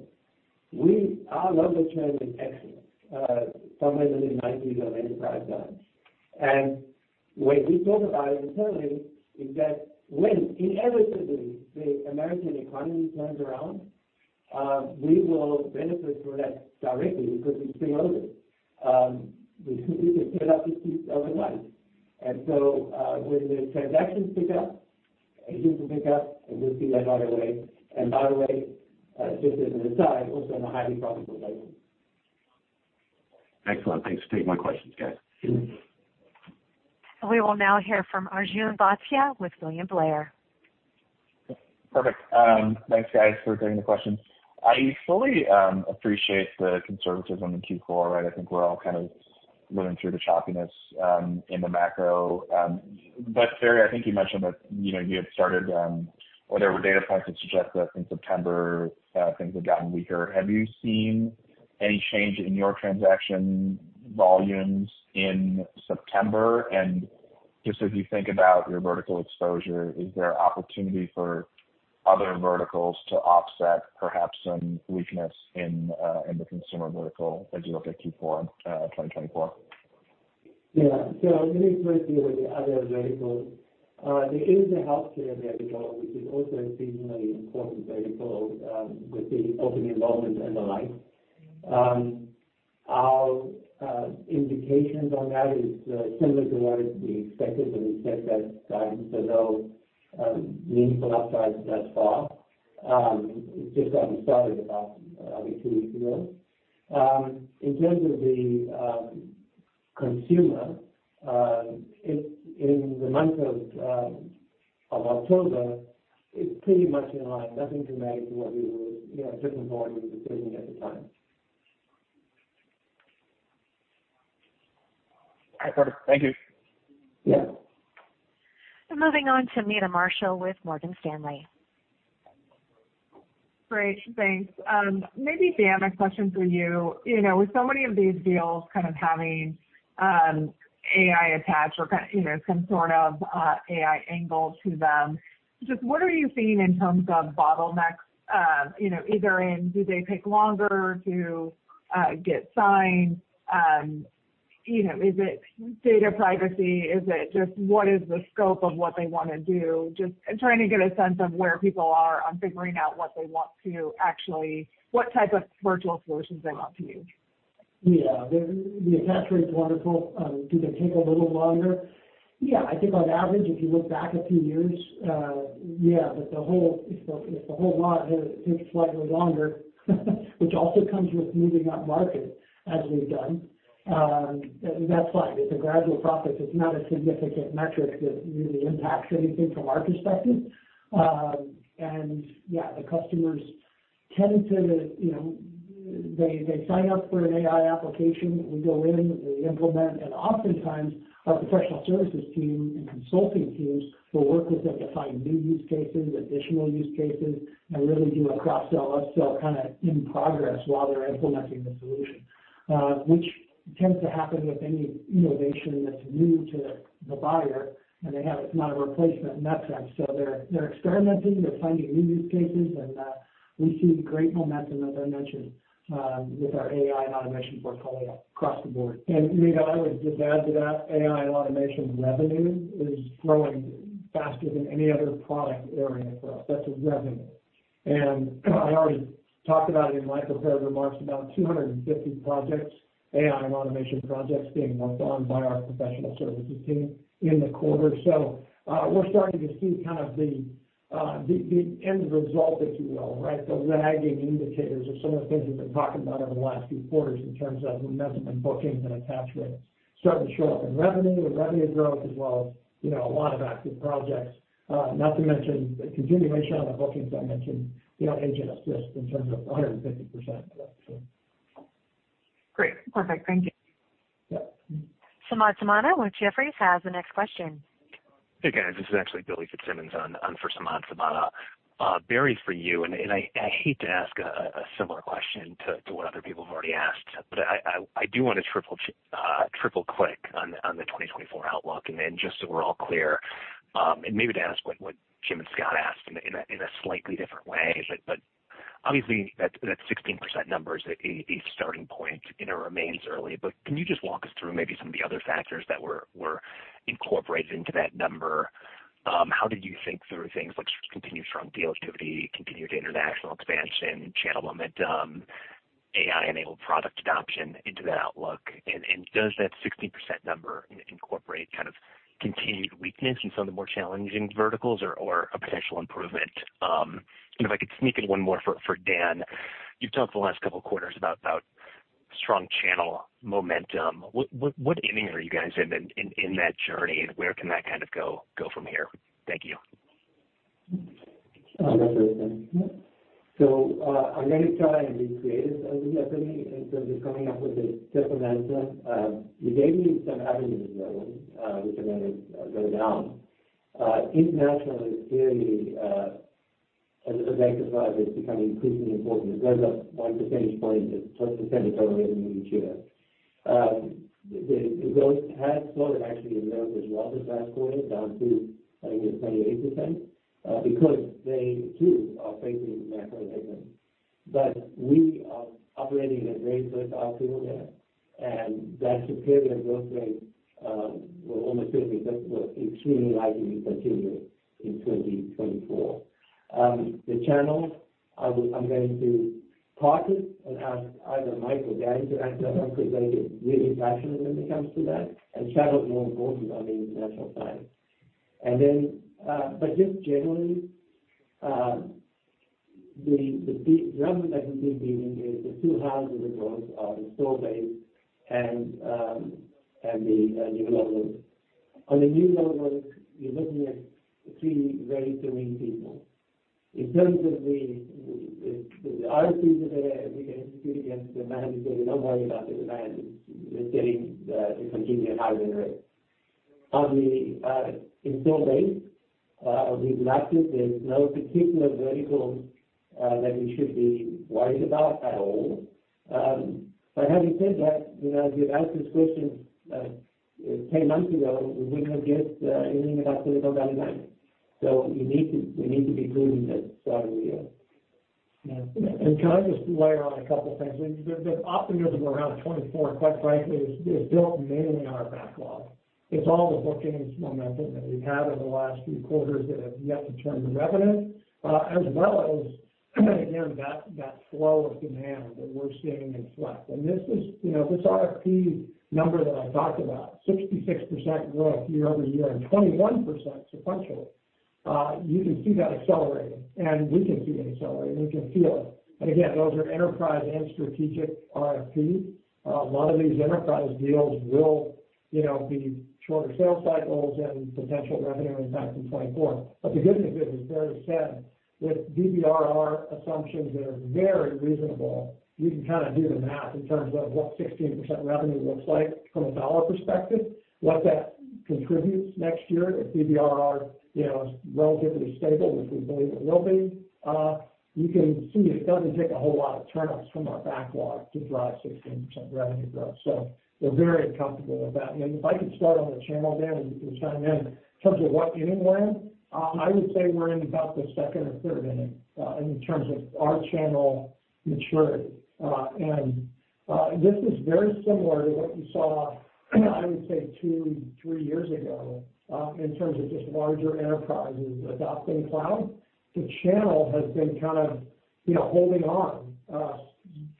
Our logo retention is excellent, somewhere in the nineties on enterprise value. And when we think about it internally, is that when, inevitably, the American economy turns around, we will benefit from that directly because we preloaded. We could fill up the seats overnight. And so, when the transactions pick up, it usually pick up, and we'll see that right away. And by the way, just as an aside, also in a highly profitable way. Excellent. Thanks for taking my questions, guys. Mm-hmm. We will now hear from Arjun Bhatia with William Blair. Perfect. Thanks, guys, for taking the questions. I fully appreciate the conservatism in Q4, right? I think we're all kind of living through the choppiness in the macro. But Barry, I think you mentioned that, you know, you had started or there were data points that suggest that in September things had gotten weaker. Have you seen any change in your transaction volumes in September, and just as you think about your vertical exposure, is there opportunity for other verticals to offset perhaps some weakness in the consumer vertical as you look at Q4, 2024? Yeah. So let me quickly with the other verticals. There is a healthcare vertical, which is also a seasonally important vertical, with the open enrollment and the like. Our indications on that is similar to what we expected, and we said that time, so no meaningful upside thus far. It just got started about, I think, two weeks ago. In terms of the consumer, it's in the month of October, it's pretty much in line, nothing dramatic to what we were, you know, anticipating at the time. I got it. Thank you. Yeah. Moving on to Meta Marshall with Morgan Stanley. Great, thanks. Maybe, Dan, a question for you. You know, with so many of these deals kind of having AI attached or kind, you know, some sort of AI angle to them, just what are you seeing in terms of bottlenecks, you know, either in, do they take longer to get signed? You know, is it data privacy? Is it just what is the scope of what they wanna do? Just trying to get a sense of where people are on figuring out what they want to actually—what type of virtual solutions they want to use. Yeah. The attachment wonderful. Do they take a little longer? Yeah, I think on average, if you look back a few years, yeah, but if the whole lot takes slightly longer, which also comes with moving upmarket, as we've done. That's fine. It's a gradual process. It's not a significant metric that really impacts anything from our perspective. And, yeah, the customers tend to, you know, they, they sign up for an AI application. We go in, we implement, and oftentimes, our professional services team and consulting teams will work with them to find new use cases, additional use cases, and really do a cross-sell, upsell, kinda in progress while they're implementing the solution. Which tends to happen with any innovation that's new to the buyer, and they have... It's not a replacement in that sense. So they're experimenting, they're finding new use cases, and we see great momentum, as I mentioned, with our AI and automation portfolio across the board. And, Meta, I would just add to that, AI and automation revenue is growing faster than any other product area for us. That's a revenue. And I already talked about it in my prepared remarks, about 250 projects, AI and automation projects, being worked on by our professional services team in the quarter. So, we're starting to see kind of the end result, if you will, right? The lagging indicators of some of the things we've been talking about over the last few quarters in terms of momentum and bookings and attach rates starting to show up in revenue and revenue growth, as well as, you know, a lot of active projects. Not to mention the continuation on the bookings I mentioned, you know, Agent Assist in terms of 150%. So. Great. Perfect. Thank you. Yeah. Samad Samana with Jefferies has the next question. Hey, guys. This is actually Billy Fitzsimmons on, on for Samad Samana. Barry, for you, and, and I, I hate to ask a, a similar question to, to what other people have already asked, but I, I, I do want to triple-click on the, on the 2024 outlook, and then just so we're all clear, and maybe to ask what, what Jim and Scott asked in a, in a, in a slightly different way. But, but obviously, that, that 16% number is a, a starting point, and it remains early. But can you just walk us through maybe some of the other factors that were, were incorporated into that number? How did you think through things like continued strong deal activity, continued international expansion, channel momentum, AI-enabled product adoption into that outlook? Does that 16% number incorporate kind of continued weakness in some of the more challenging verticals or a potential improvement? If I could sneak in one more for Dan. You've talked the last couple quarters about strong channel momentum. What inning are you guys in that journey, and where can that kind of go from here? Thank you. That's very good. So, I'm gonna try and be creative, definitely, in terms of coming up with a different answer. You gave me some avenues already, which I'm gonna go down. International is clearly a vector for us. It's becoming increasingly important. It goes up 1 percentage point to 12% of total revenue each year. The growth has slowed actually in America as well, this last quarter, down to, I think, 28%, because they too are facing macro headwinds. But we are operating at great pace out there, and that superior growth rate will almost certainly, extremely likely to continue in 2024. The channels, I'm going to park it and ask either Mike or Dan to answer that one, because they're really passionate when it comes to that, and channel is more important on the international side. But just generally, the big driver that we've been giving is the two halves of the growth, the store base and the new development. On the new development, you're looking at three very senior people. In terms of the RFPs that are against demand, so we're not worried about the demand. We're getting the continued high win rate.... on the, installed base, of these compares, there's no particular vertical, that we should be worried about at all. But having said that, you know, if you'd asked this question, 10 months ago, we would have guessed anything about 20% down nine. So we need to, we need to be prudent as, yeah. And can I just layer on a couple of things? The, the optimism around 2024, quite frankly, is, is built mainly on our backlog. It's all the bookings momentum that we've had over the last few quarters that have yet to turn to revenue, as well as, again, that, that flow of demand that we're seeing in select. And this is, you know, this RFP number that I talked about, 66% growth year-over-year and 21% sequentially, you can see that accelerating, and we can see it accelerating, we can feel it. And again, those are enterprise and strategic RFP. A lot of these enterprise deals will, you know, be shorter sales cycles and potential revenue impact in 2024. But the good news is, as Barry said, with DBRR assumptions that are very reasonable, we can kind of do the math in terms of what 16% revenue looks like from a dollar perspective, what that contributes next year, if DBRR, you know, is relatively stable, which we believe it will be, you can see it doesn't take a whole lot of turnups from our backlog to drive 16% revenue growth. So we're very comfortable with that. If I could start on the channel, Dan, and you can chime in. In terms of what inning we're in, I would say we're in about the second or third inning in terms of our channel maturity. And this is very similar to what you saw, I would say, two-three years ago in terms of just larger enterprises adopting cloud. The channel has been kind of, you know, holding on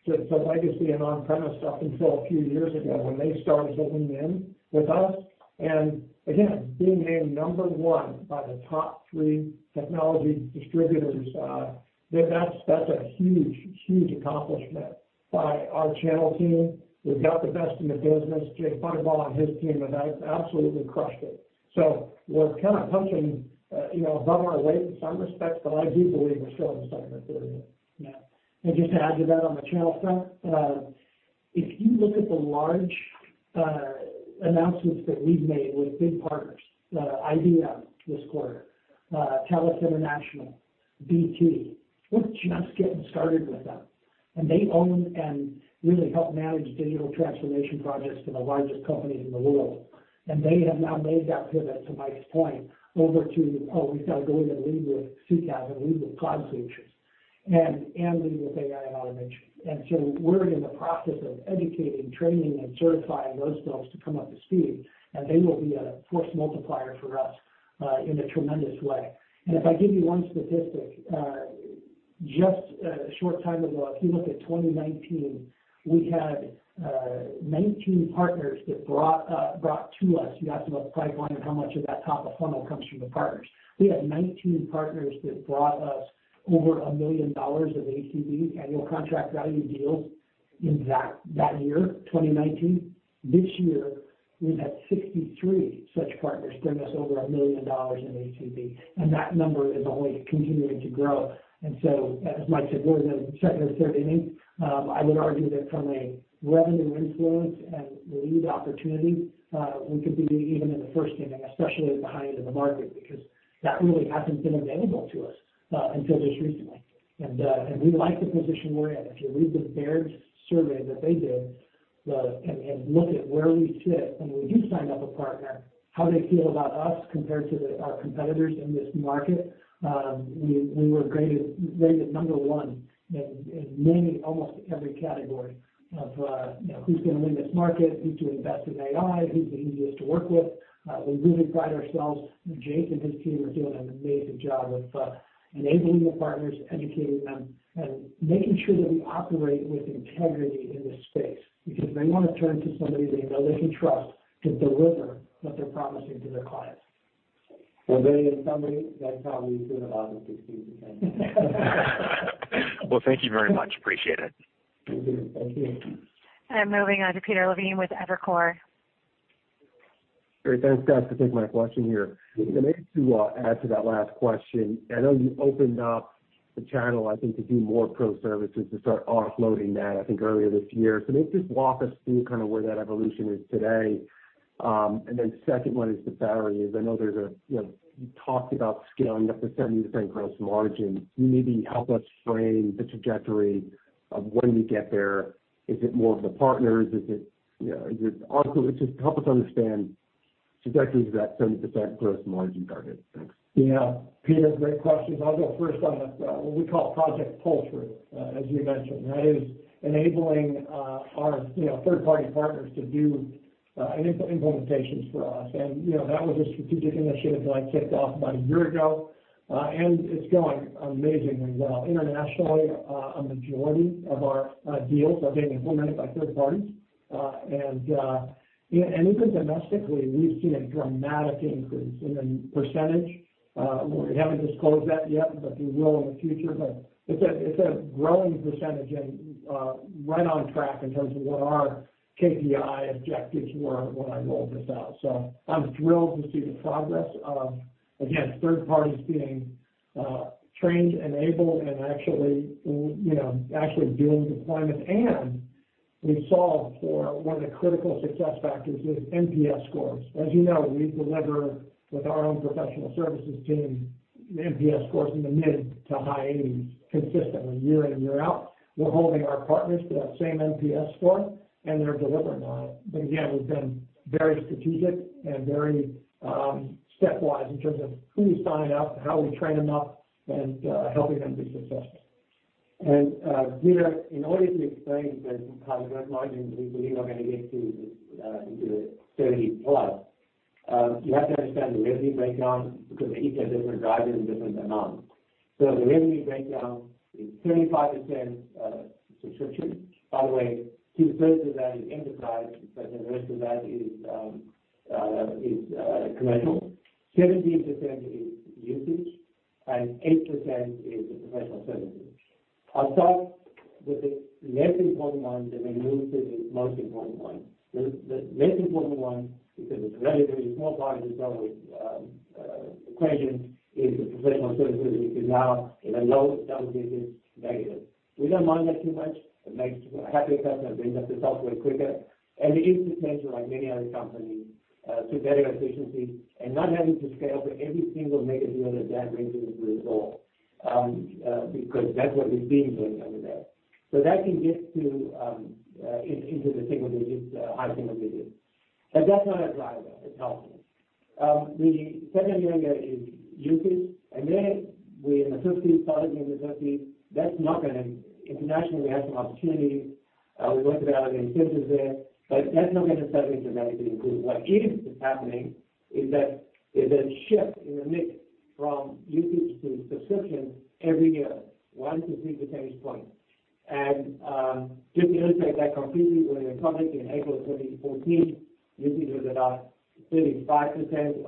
to legacy and on-premise stuff until a few years ago when they started leaning in with us. And again, being named number one by the top three technology distributors, that's a huge accomplishment by our channel team. We've got the best in the business, Jake Butterbaugh and his team have absolutely crushed it. So we're kind of punching, you know, above our weight in some respects, but I do believe we're still in the second or third inning. Yeah. Just to add to that on the channel front, if you look at the large announcements that we've made with big partners, IBM this quarter, TELUS International, BT, we're just getting started with them. They own and really help manage digital transformation projects for the largest companies in the world. They have now made that pivot, to Mike's point, over to, oh, we've got to go in and lead with CCaaS and lead with cloud solutions and lead with AI and automation. So we're in the process of educating, training, and certifying those folks to come up to speed, and they will be a force multiplier for us in a tremendous way. If I give you one statistic, just a short time ago, if you look at 2019, we had 19 partners that brought to us. You asked about the pipeline and how much of that top of funnel comes from the partners. We had 19 partners that brought us over $1 million of ACV, annual contract value deals, in that year, 2019. This year, we've had 63 such partners bring us over $1 million in ACV, and that number is only continuing to grow. And so, as Mike said, we're in the second or third inning. I would argue that from a revenue influence and lead opportunity, we could be even in the first inning, especially behind in the market, because that really hasn't been available to us until just recently. And, and we like the position we're in. If you read the Baird survey that they did, and, and look at where we sit when we do sign up a partner, how they feel about us compared to the, our competitors in this market, we, we were graded, rated number one in, in many, almost every category of, you know, who's going to win this market, who to invest in AI, who's the easiest to work with. We really pride ourselves. Jake and his team are doing an amazing job of, enabling the partners, educating them, and making sure that we operate with integrity in this space, because they want to turn to somebody they can trust to deliver what they're promising to their clients. Well, Barry and somebody, that's how we feel about the situation. Well, thank you very much. Appreciate it. Thank you. Moving on to Peter Levine with Evercore. Great. Thanks, guys, for taking my question here. Maybe to add to that last question, I know you opened up the channel, I think, to do more pro services to start offloading that, I think, earlier this year. So maybe just walk us through kind of where that evolution is today. And then second one is the trajectory. I know there's a, you know, you talked about scaling up to 70% gross margin. Can you maybe help us frame the trajectory of when you get there? Is it more of the partners? Is it, you know, is it... Just help us understand trajectory of that 70% gross margin target. Thanks. Yeah, Peter, great questions. I'll go first on that, what we call Project Pull-Through, as you mentioned, that is enabling our, you know, third-party partners to do implementations for us. And, you know, that was a strategic initiative that I kicked off about a year ago, and it's going amazingly well. Internationally, a majority of our deals are being implemented by third parties. And, you know, and even domestically, we've seen a dramatic increase in the percentage. We haven't disclosed that yet, but we will in the future. But it's a, it's a growing percentage and, right on track in terms of what our KPI objectives were when I rolled this out. So I'm thrilled to see the progress of, again, third parties being trained, enabled, and actually, you know, actually doing deployments and-... We solved for one of the critical success factors is NPS scores. As you know, we deliver with our own professional services team, NPS scores in the mid- to high 80s, consistently year in and year out. We're holding our partners to that same NPS score, and they're delivering on it. But again, we've been very strategic and very, stepwise in terms of who's signing up, how we train them up, and, helping them be successful. Peter, in order to explain the current gross margin, we believe we're gonna get to into the 30+, you have to understand the revenue breakdown because they each have different drivers and different amounts. So the revenue breakdown is 35% subscription. By the way, two-thirds of that is enterprise, but the rest of that is commercial. 17% is usage and 8% is professional services. I'll start with the less important one, and then move to the most important one. The less important one, because it's a relatively small part of the total equation, is the professional services, which is now in the low double digits negative. We don't mind that too much. It makes a happier customer, brings up the software quicker, and it is potential, like many other companies, to better efficiency and not having to scale for every single mega deal that that brings into the fold, because that's what we've been doing over there. So that can get to, into the single digits, high single digits. But that's not a driver. It's helpful. The second area is usage, and there we're in the thirties, starting in the thirties. That's not gonna internationally, we have some opportunities. We worked it out, and incentives there, but that's not gonna suddenly dramatically improve. What is happening is that there's a shift in the mix from usage to subscription every year, 1-2 percentage points. Just to illustrate that completely, when we went public in April of 2014, usage was about 35%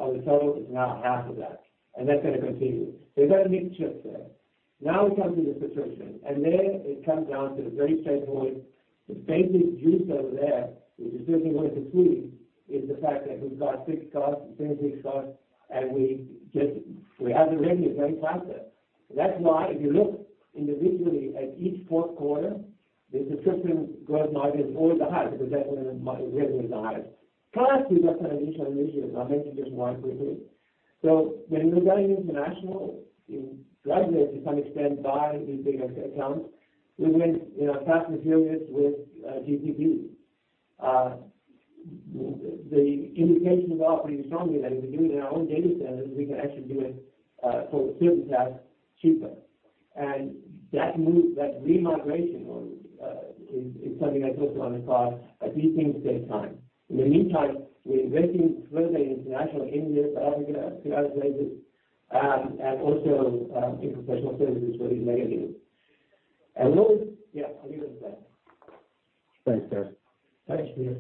of the total. It's now half of that, and that's gonna continue. So we've got a mix shift there. Now we come to the subscription, and there it comes down to the very straightforward, the basic juice over there, which is fundamental, is the fact that we've got fixed costs and same fixed costs, and we just have the revenue growing faster. That's why if you look individually at each fourth quarter, the subscription gross margin is always the highest because that one is revenue is the highest. Plus, we've got some initial issues. I'll mention just one quickly. So when we're going international, increasing gradually to some extent by these bigger accounts, we went, you know, host the service with GCP. The indications are pretty strongly that if we do it in our own data centers, we can actually do it for the service stack cheaper. And that move, that remigration, is something I just want to call, but these things take time. In the meantime, we're investing further in international, India, Africa, and also in professional services, very negative. And those. Yeah, I'll leave it at that. Thanks, Peter. Thanks, Peter.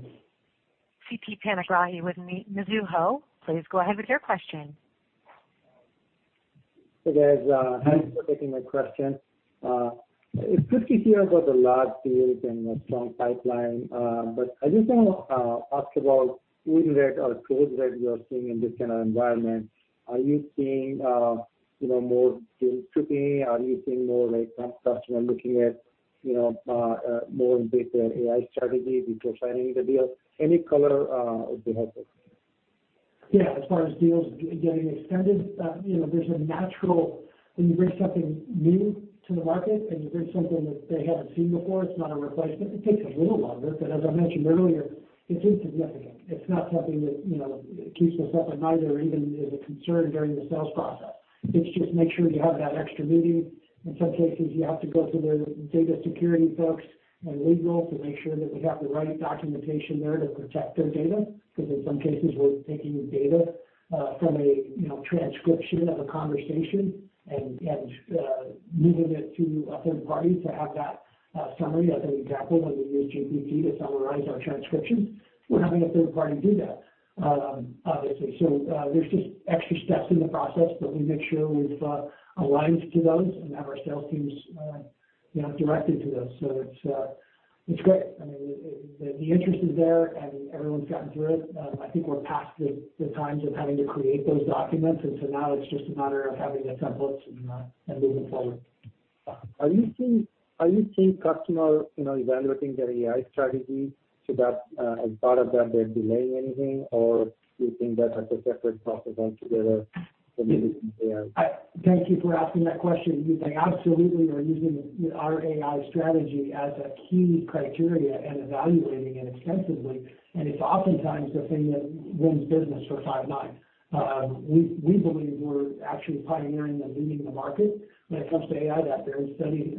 Siti Panigrahi with Mizuho, please go ahead with your question. Hey, guys, thanks for taking my question. It's good to hear about the large deals and the strong pipeline, but I just want to ask about win rate or close rate you are seeing in this kind of environment. Are you seeing, you know, more deals cooking? Are you seeing more, like, customers looking at, you know, more in-depth AI strategy before signing the deals? Any color would be helpful. Yeah, as far as deals getting extended, you know, there's a natural, when you bring something new to the market and you bring something that they haven't seen before, it's not a replacement, it takes a little longer. But as I mentioned earlier, it is significant. It's not something that, you know, keeps us up at night or even is a concern during the sales process. It's just make sure you have that extra meeting. In some cases, you have to go through their data security folks and legal to make sure that we have the right documentation there to protect their data, because in some cases, we're taking data from a, you know, transcription of a conversation and moving it to a third party to have that summary. As an example, when we use GCP to summarize our transcriptions, we're having a third party do that, obviously. So, there's just extra steps in the process, but we make sure we've aligned to those and have our sales teams, you know, directed to those. So it's great. I mean, the interest is there, and everyone's gotten through it. I think we're past the times of having to create those documents, and so now it's just a matter of having the templates and moving forward. Are you seeing, are you seeing customers, you know, evaluating their AI strategy so that, as part of that, they're delaying anything, or do you think that's a separate process altogether from the AI? Thank you for asking that question. They absolutely are using our AI strategy as a key criteria and evaluating it extensively, and it's oftentimes the thing that wins business for Five9. We, we believe we're actually pioneering and leading the market when it comes to AI, that there is study,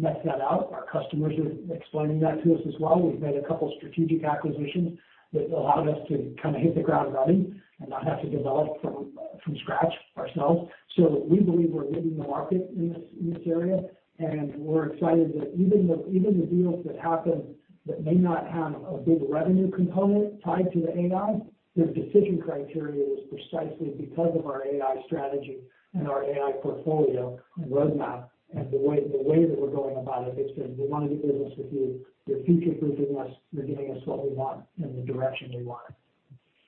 lets that out. Our customers are explaining that to us as well. We've made a couple strategic acquisitions that allowed us to kind of hit the ground running and not have to develop from, from scratch ourselves. So we believe we're leading the market in this, in this area, and we're excited that even the, even the deals that happen that may not have a big revenue component tied to the AI, their decision criteria is precisely because of our AI strategy and our AI portfolio and roadmap, and the way, the way that we're going about it. It's been, we want to do business with you. You're future-proofing us. You're giving us what we want and the direction we want.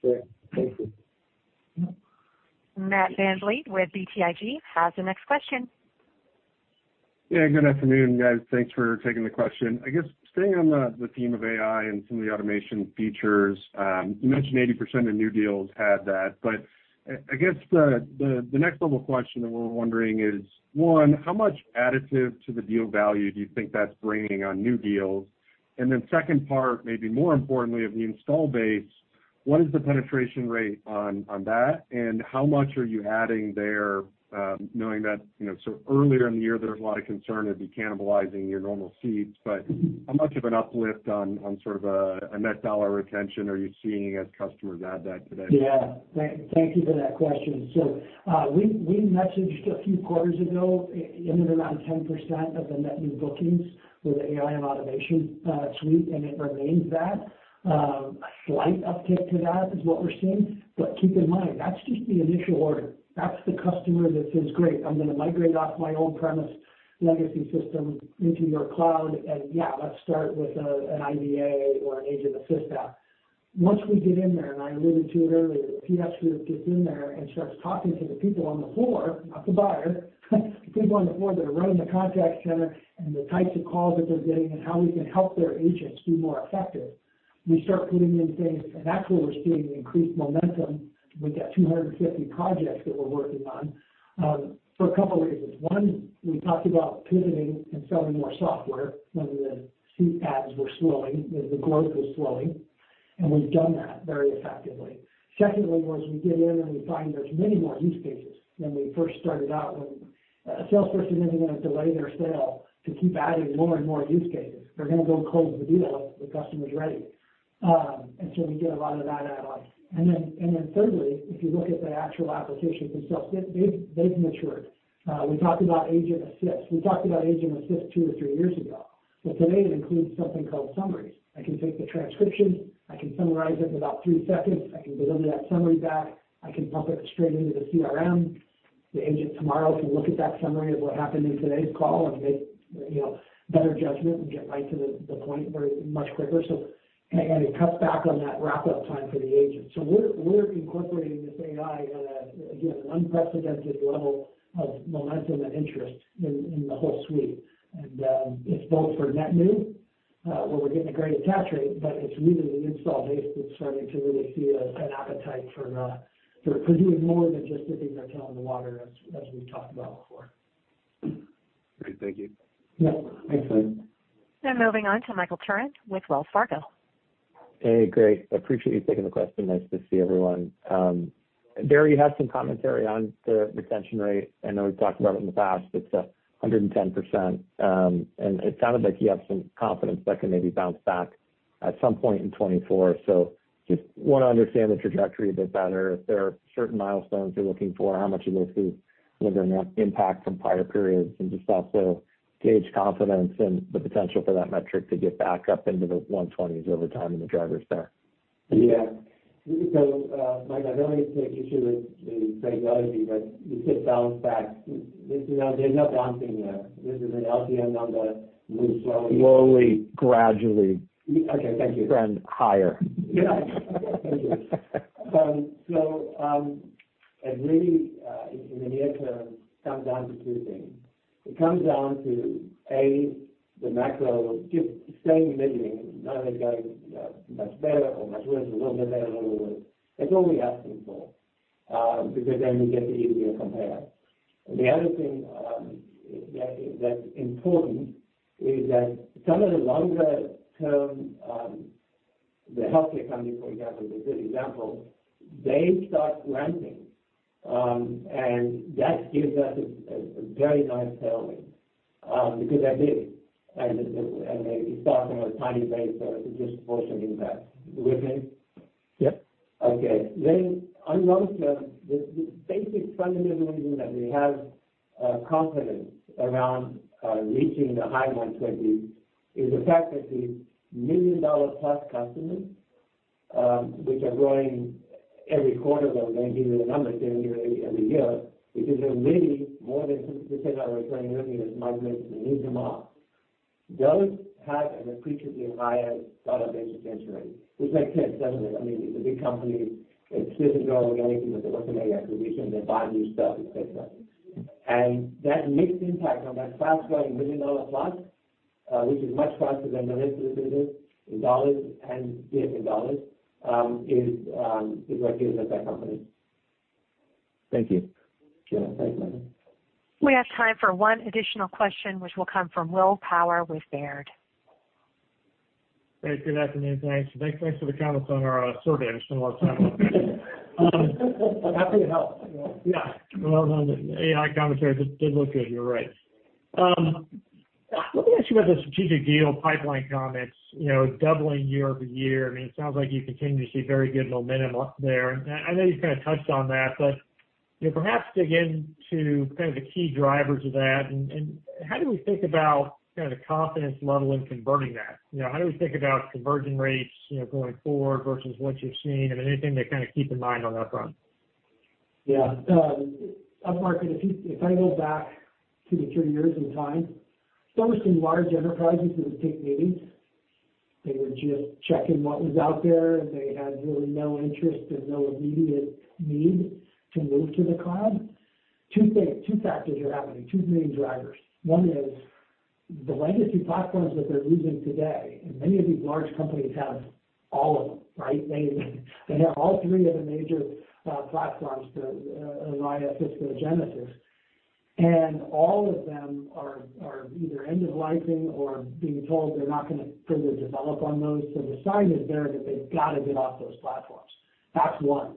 Great. Thank you. Yeah.... Matt VanVliet with BTIG has the next question. Yeah, good afternoon, guys. Thanks for taking the question. I guess staying on the theme of AI and some of the automation features, you mentioned 80% of new deals had that. But, I guess the next level question that we're wondering is, one, how much additive to the deal value do you think that's bringing on new deals? And then second part, maybe more importantly, of the install base, what is the penetration rate on that, and how much are you adding there, knowing that, you know, so earlier in the year, there was a lot of concern it'd be cannibalizing your normal seats. But how much of an uplift on sort of a net dollar retention are you seeing as customers add that today? Yeah. Thank you for that question. So, we messaged a few quarters ago, in and around 10% of the net new bookings with the AI and automation suite, and it remains that. A slight uptick to that is what we're seeing. But keep in mind, that's just the initial order. That's the customer that says, "Great, I'm gonna migrate off my on-premise legacy system into your cloud, and yeah, let's start with an IVA or an agent assist app." Once we get in there, and I alluded to it earlier, the PS group gets in there and starts talking to the people on the floor, not the buyer, the people on the floor that are running the contact center, and the types of calls that they're getting and how we can help their agents be more effective, we start putting in things, and that's where we're seeing the increased momentum. We've got 250 projects that we're working on, for a couple reasons. One, we talked about pivoting and selling more software when the seat adds were slowing, the growth was slowing, and we've done that very effectively. Secondly, as we get in and we find there's many more use cases than we first started out with. A salesperson isn't gonna delay their sale to keep adding more and more use cases. They're gonna go close the deal if the customer's ready. And so we get a lot of that add-ons. And then thirdly, if you look at the actual applications themselves, they've matured. We talked about Agent Assist. We talked about Agent Assist two or three years ago, but today it includes something called summaries. I can take the transcription, I can summarize it in about three seconds, I can deliver that summary back, I can pump it straight into the CRM. The agent tomorrow can look at that summary of what happened in today's call and make, you know, better judgment and get right to the point very much quicker. So, it cuts back on that wrap-up time for the agent. So we're incorporating this AI at a you know, an unprecedented level of momentum and interest in the whole suite. And it's both for net new, where we're getting a great attach rate, but it's really the install base that's starting to really see an appetite for doing more than just dipping their toe in the water, as we've talked about before. Great. Thank you. Yeah. Thanks, Matt. Moving on to Michael Turrin with Wells Fargo. Hey, great. I appreciate you taking the question. Nice to see everyone. Barry, you had some commentary on the retention rate. I know we've talked about it in the past. It's 110%. And it sounded like you have some confidence that can maybe bounce back at some point in 2024. So just wanna understand the trajectory a bit better. If there are certain milestones you're looking for, how much of this is, you know, doing that impact from prior periods, and just also gauge confidence in the potential for that metric to get back up into the 120s over time, and the drivers there. Yeah. So, Mike, I don't need to take issue with the terminology, but you said bounce back. This is not- there's no bouncing there. This is an LTM number, move slowly- Slowly, gradually- Okay, thank you. Trend higher. Yeah. Thank you. So, it really, in the near term, comes down to two things. It comes down to, A, the macro just staying middling, not going much better or much worse, a little bit better, a little worse. That's all we're asking for, because then we get the easier compare. The other thing, that, that's important is that some of the longer term, the healthcare companies, for example, is a good example, they start ramping. And that gives us a very nice tailwind, because they're big, and they start from a tiny base, so it's just proportional impact. You with me? Yep. Okay. Then on long term, the basic fundamental reason that we have confidence around reaching the high 120s is the fact that the $1 million-plus customers, which are growing every quarter, though I'm not giving you the numbers, they're nearly every year, because there are many, more than 50% are returning earlier as migrations and new demand, those have an appreciably higher dollar-based retention rate, which makes sense, doesn't it? I mean, it's a big company. It's business growing, anything but the organic acquisition, they're buying new stuff, et cetera. And that mixed impact on that fast-growing $1 million-plus, which is much faster than the rest of the business in dollars and yet in dollars, is what gives us that confidence. Thank you. Sure. Thanks, Michael. We have time for one additional question, which will come from Will Power with Baird. Great. Good afternoon, thanks. Thanks, thanks for the comments on our survey. I just wanna talk about that. Happy to help. Yeah. Well, no, the AI commentary did look good, you're right. Let me ask you about the strategic deal pipeline comments, you know, doubling year-over-year. I mean, it sounds like you continue to see very good momentum there. And I know you've kind of touched on that, but, you know, perhaps dig into kind of the key drivers of that, and how do we think about kind of the confidence level in converting that? You know, how do we think about conversion rates, you know, going forward versus what you've seen? I mean, anything to kind of keep in mind on that front? Yeah. Up market, if I go back two-three years in time, so much in large enterprises would take meetings. They were just checking what was out there, and they had really no interest and no immediate need to move to the cloud. Two things, two factors are happening, two main drivers. One is the legacy platforms that they're using today, and many of these large companies have all of them, right? They have all three of the major platforms, the Avaya, Cisco, Genesys. And all of them are either end-of-lifing or being told they're not gonna further develop on those. So the sign is there that they've got to get off those platforms. That's one.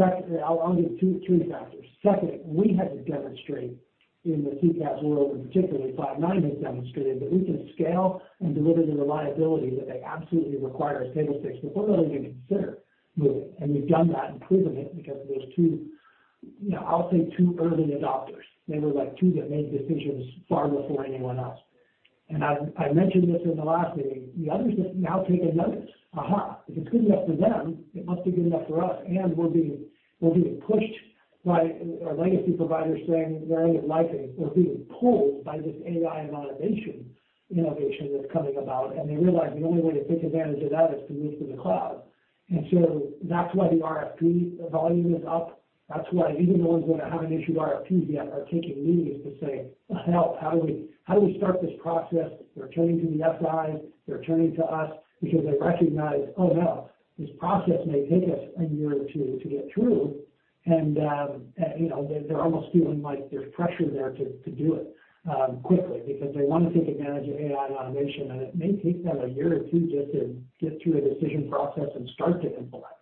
I'll give two, two factors. Secondly, we had to demonstrate in the CCaaS world, and particularly Five9 has demonstrated, that we can scale and deliver the reliability that they absolutely require as table stakes before they'll even consider moving. And we've done that and proven it because of those two, you know, I'll say two early adopters. They were, like, two that made decisions far before anyone else. And I mentioned this in the last meeting, the others have now taken notice. Aha, if it's good enough for them, it must be good enough for us, and we're being pushed by our legacy providers saying they're end-of-life-ing. We're being pulled by this AI and automation innovation that's coming about, and they realize the only way to take advantage of that is to move to the cloud. And so that's why the RFP volume is up. That's why even the ones that haven't issued RFPs yet are taking meetings to say, "Help, how do we, how do we start this process?" They're turning to the SIs, they're turning to us because they recognize, oh, no, this process may take us a year or two to get through. And, and, you know, they're, they're almost feeling like there's pressure there to, to do it, quickly because they want to take advantage of AI and automation, and it may take them a year or two just to get through a decision process and start to implement.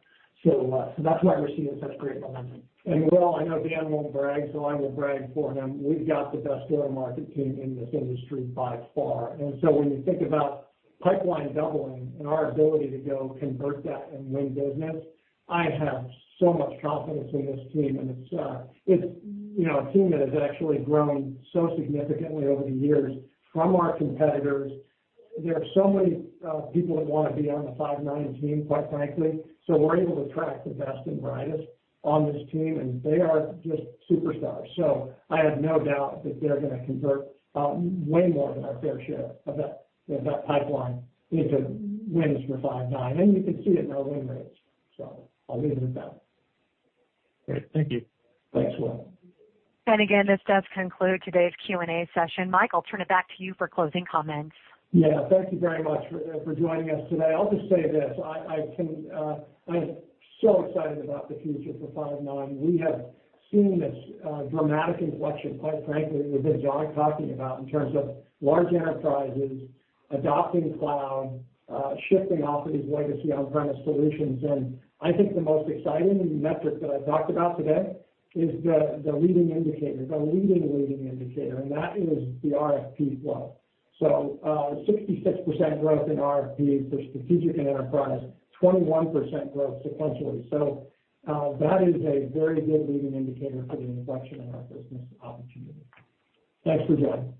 So, so that's why we're seeing such great momentum. And Will, I know Dan won't brag, so I will brag for him. We've got the best go-to-market team in this industry by far. And so when you think about pipeline doubling and our ability to go convert that and win business, I have so much confidence in this team, and it's, it's, you know, a team that has actually grown so significantly over the years from our competitors. There are so many people that want to be on the Five9 team, quite frankly, so we're able to attract the best and brightest on this team, and they are just superstars. So I have no doubt that they're gonna convert way more than our fair share of that, of that pipeline into wins for Five9. And you can see it in our win rates. So I'll leave it at that. Great. Thank you. Thanks, Will. Again, this does conclude today's Q&A session. Mike, I'll turn it back to you for closing comments. Yeah, thank you very much for joining us today. I'll just say this, I can, I'm so excited about the future for Five9. We have seen this dramatic inflection, quite frankly, that Dan talking about in terms of large enterprises adopting cloud, shifting off of these legacy on-premise solutions. And I think the most exciting metric that I've talked about today is the leading indicator, the leading indicator, and that is the RFP flow. So, 66% growth in RFPs for strategic and enterprise, 21% growth sequentially. So, that is a very good leading indicator for the inflection in our business opportunity. Thanks for joining.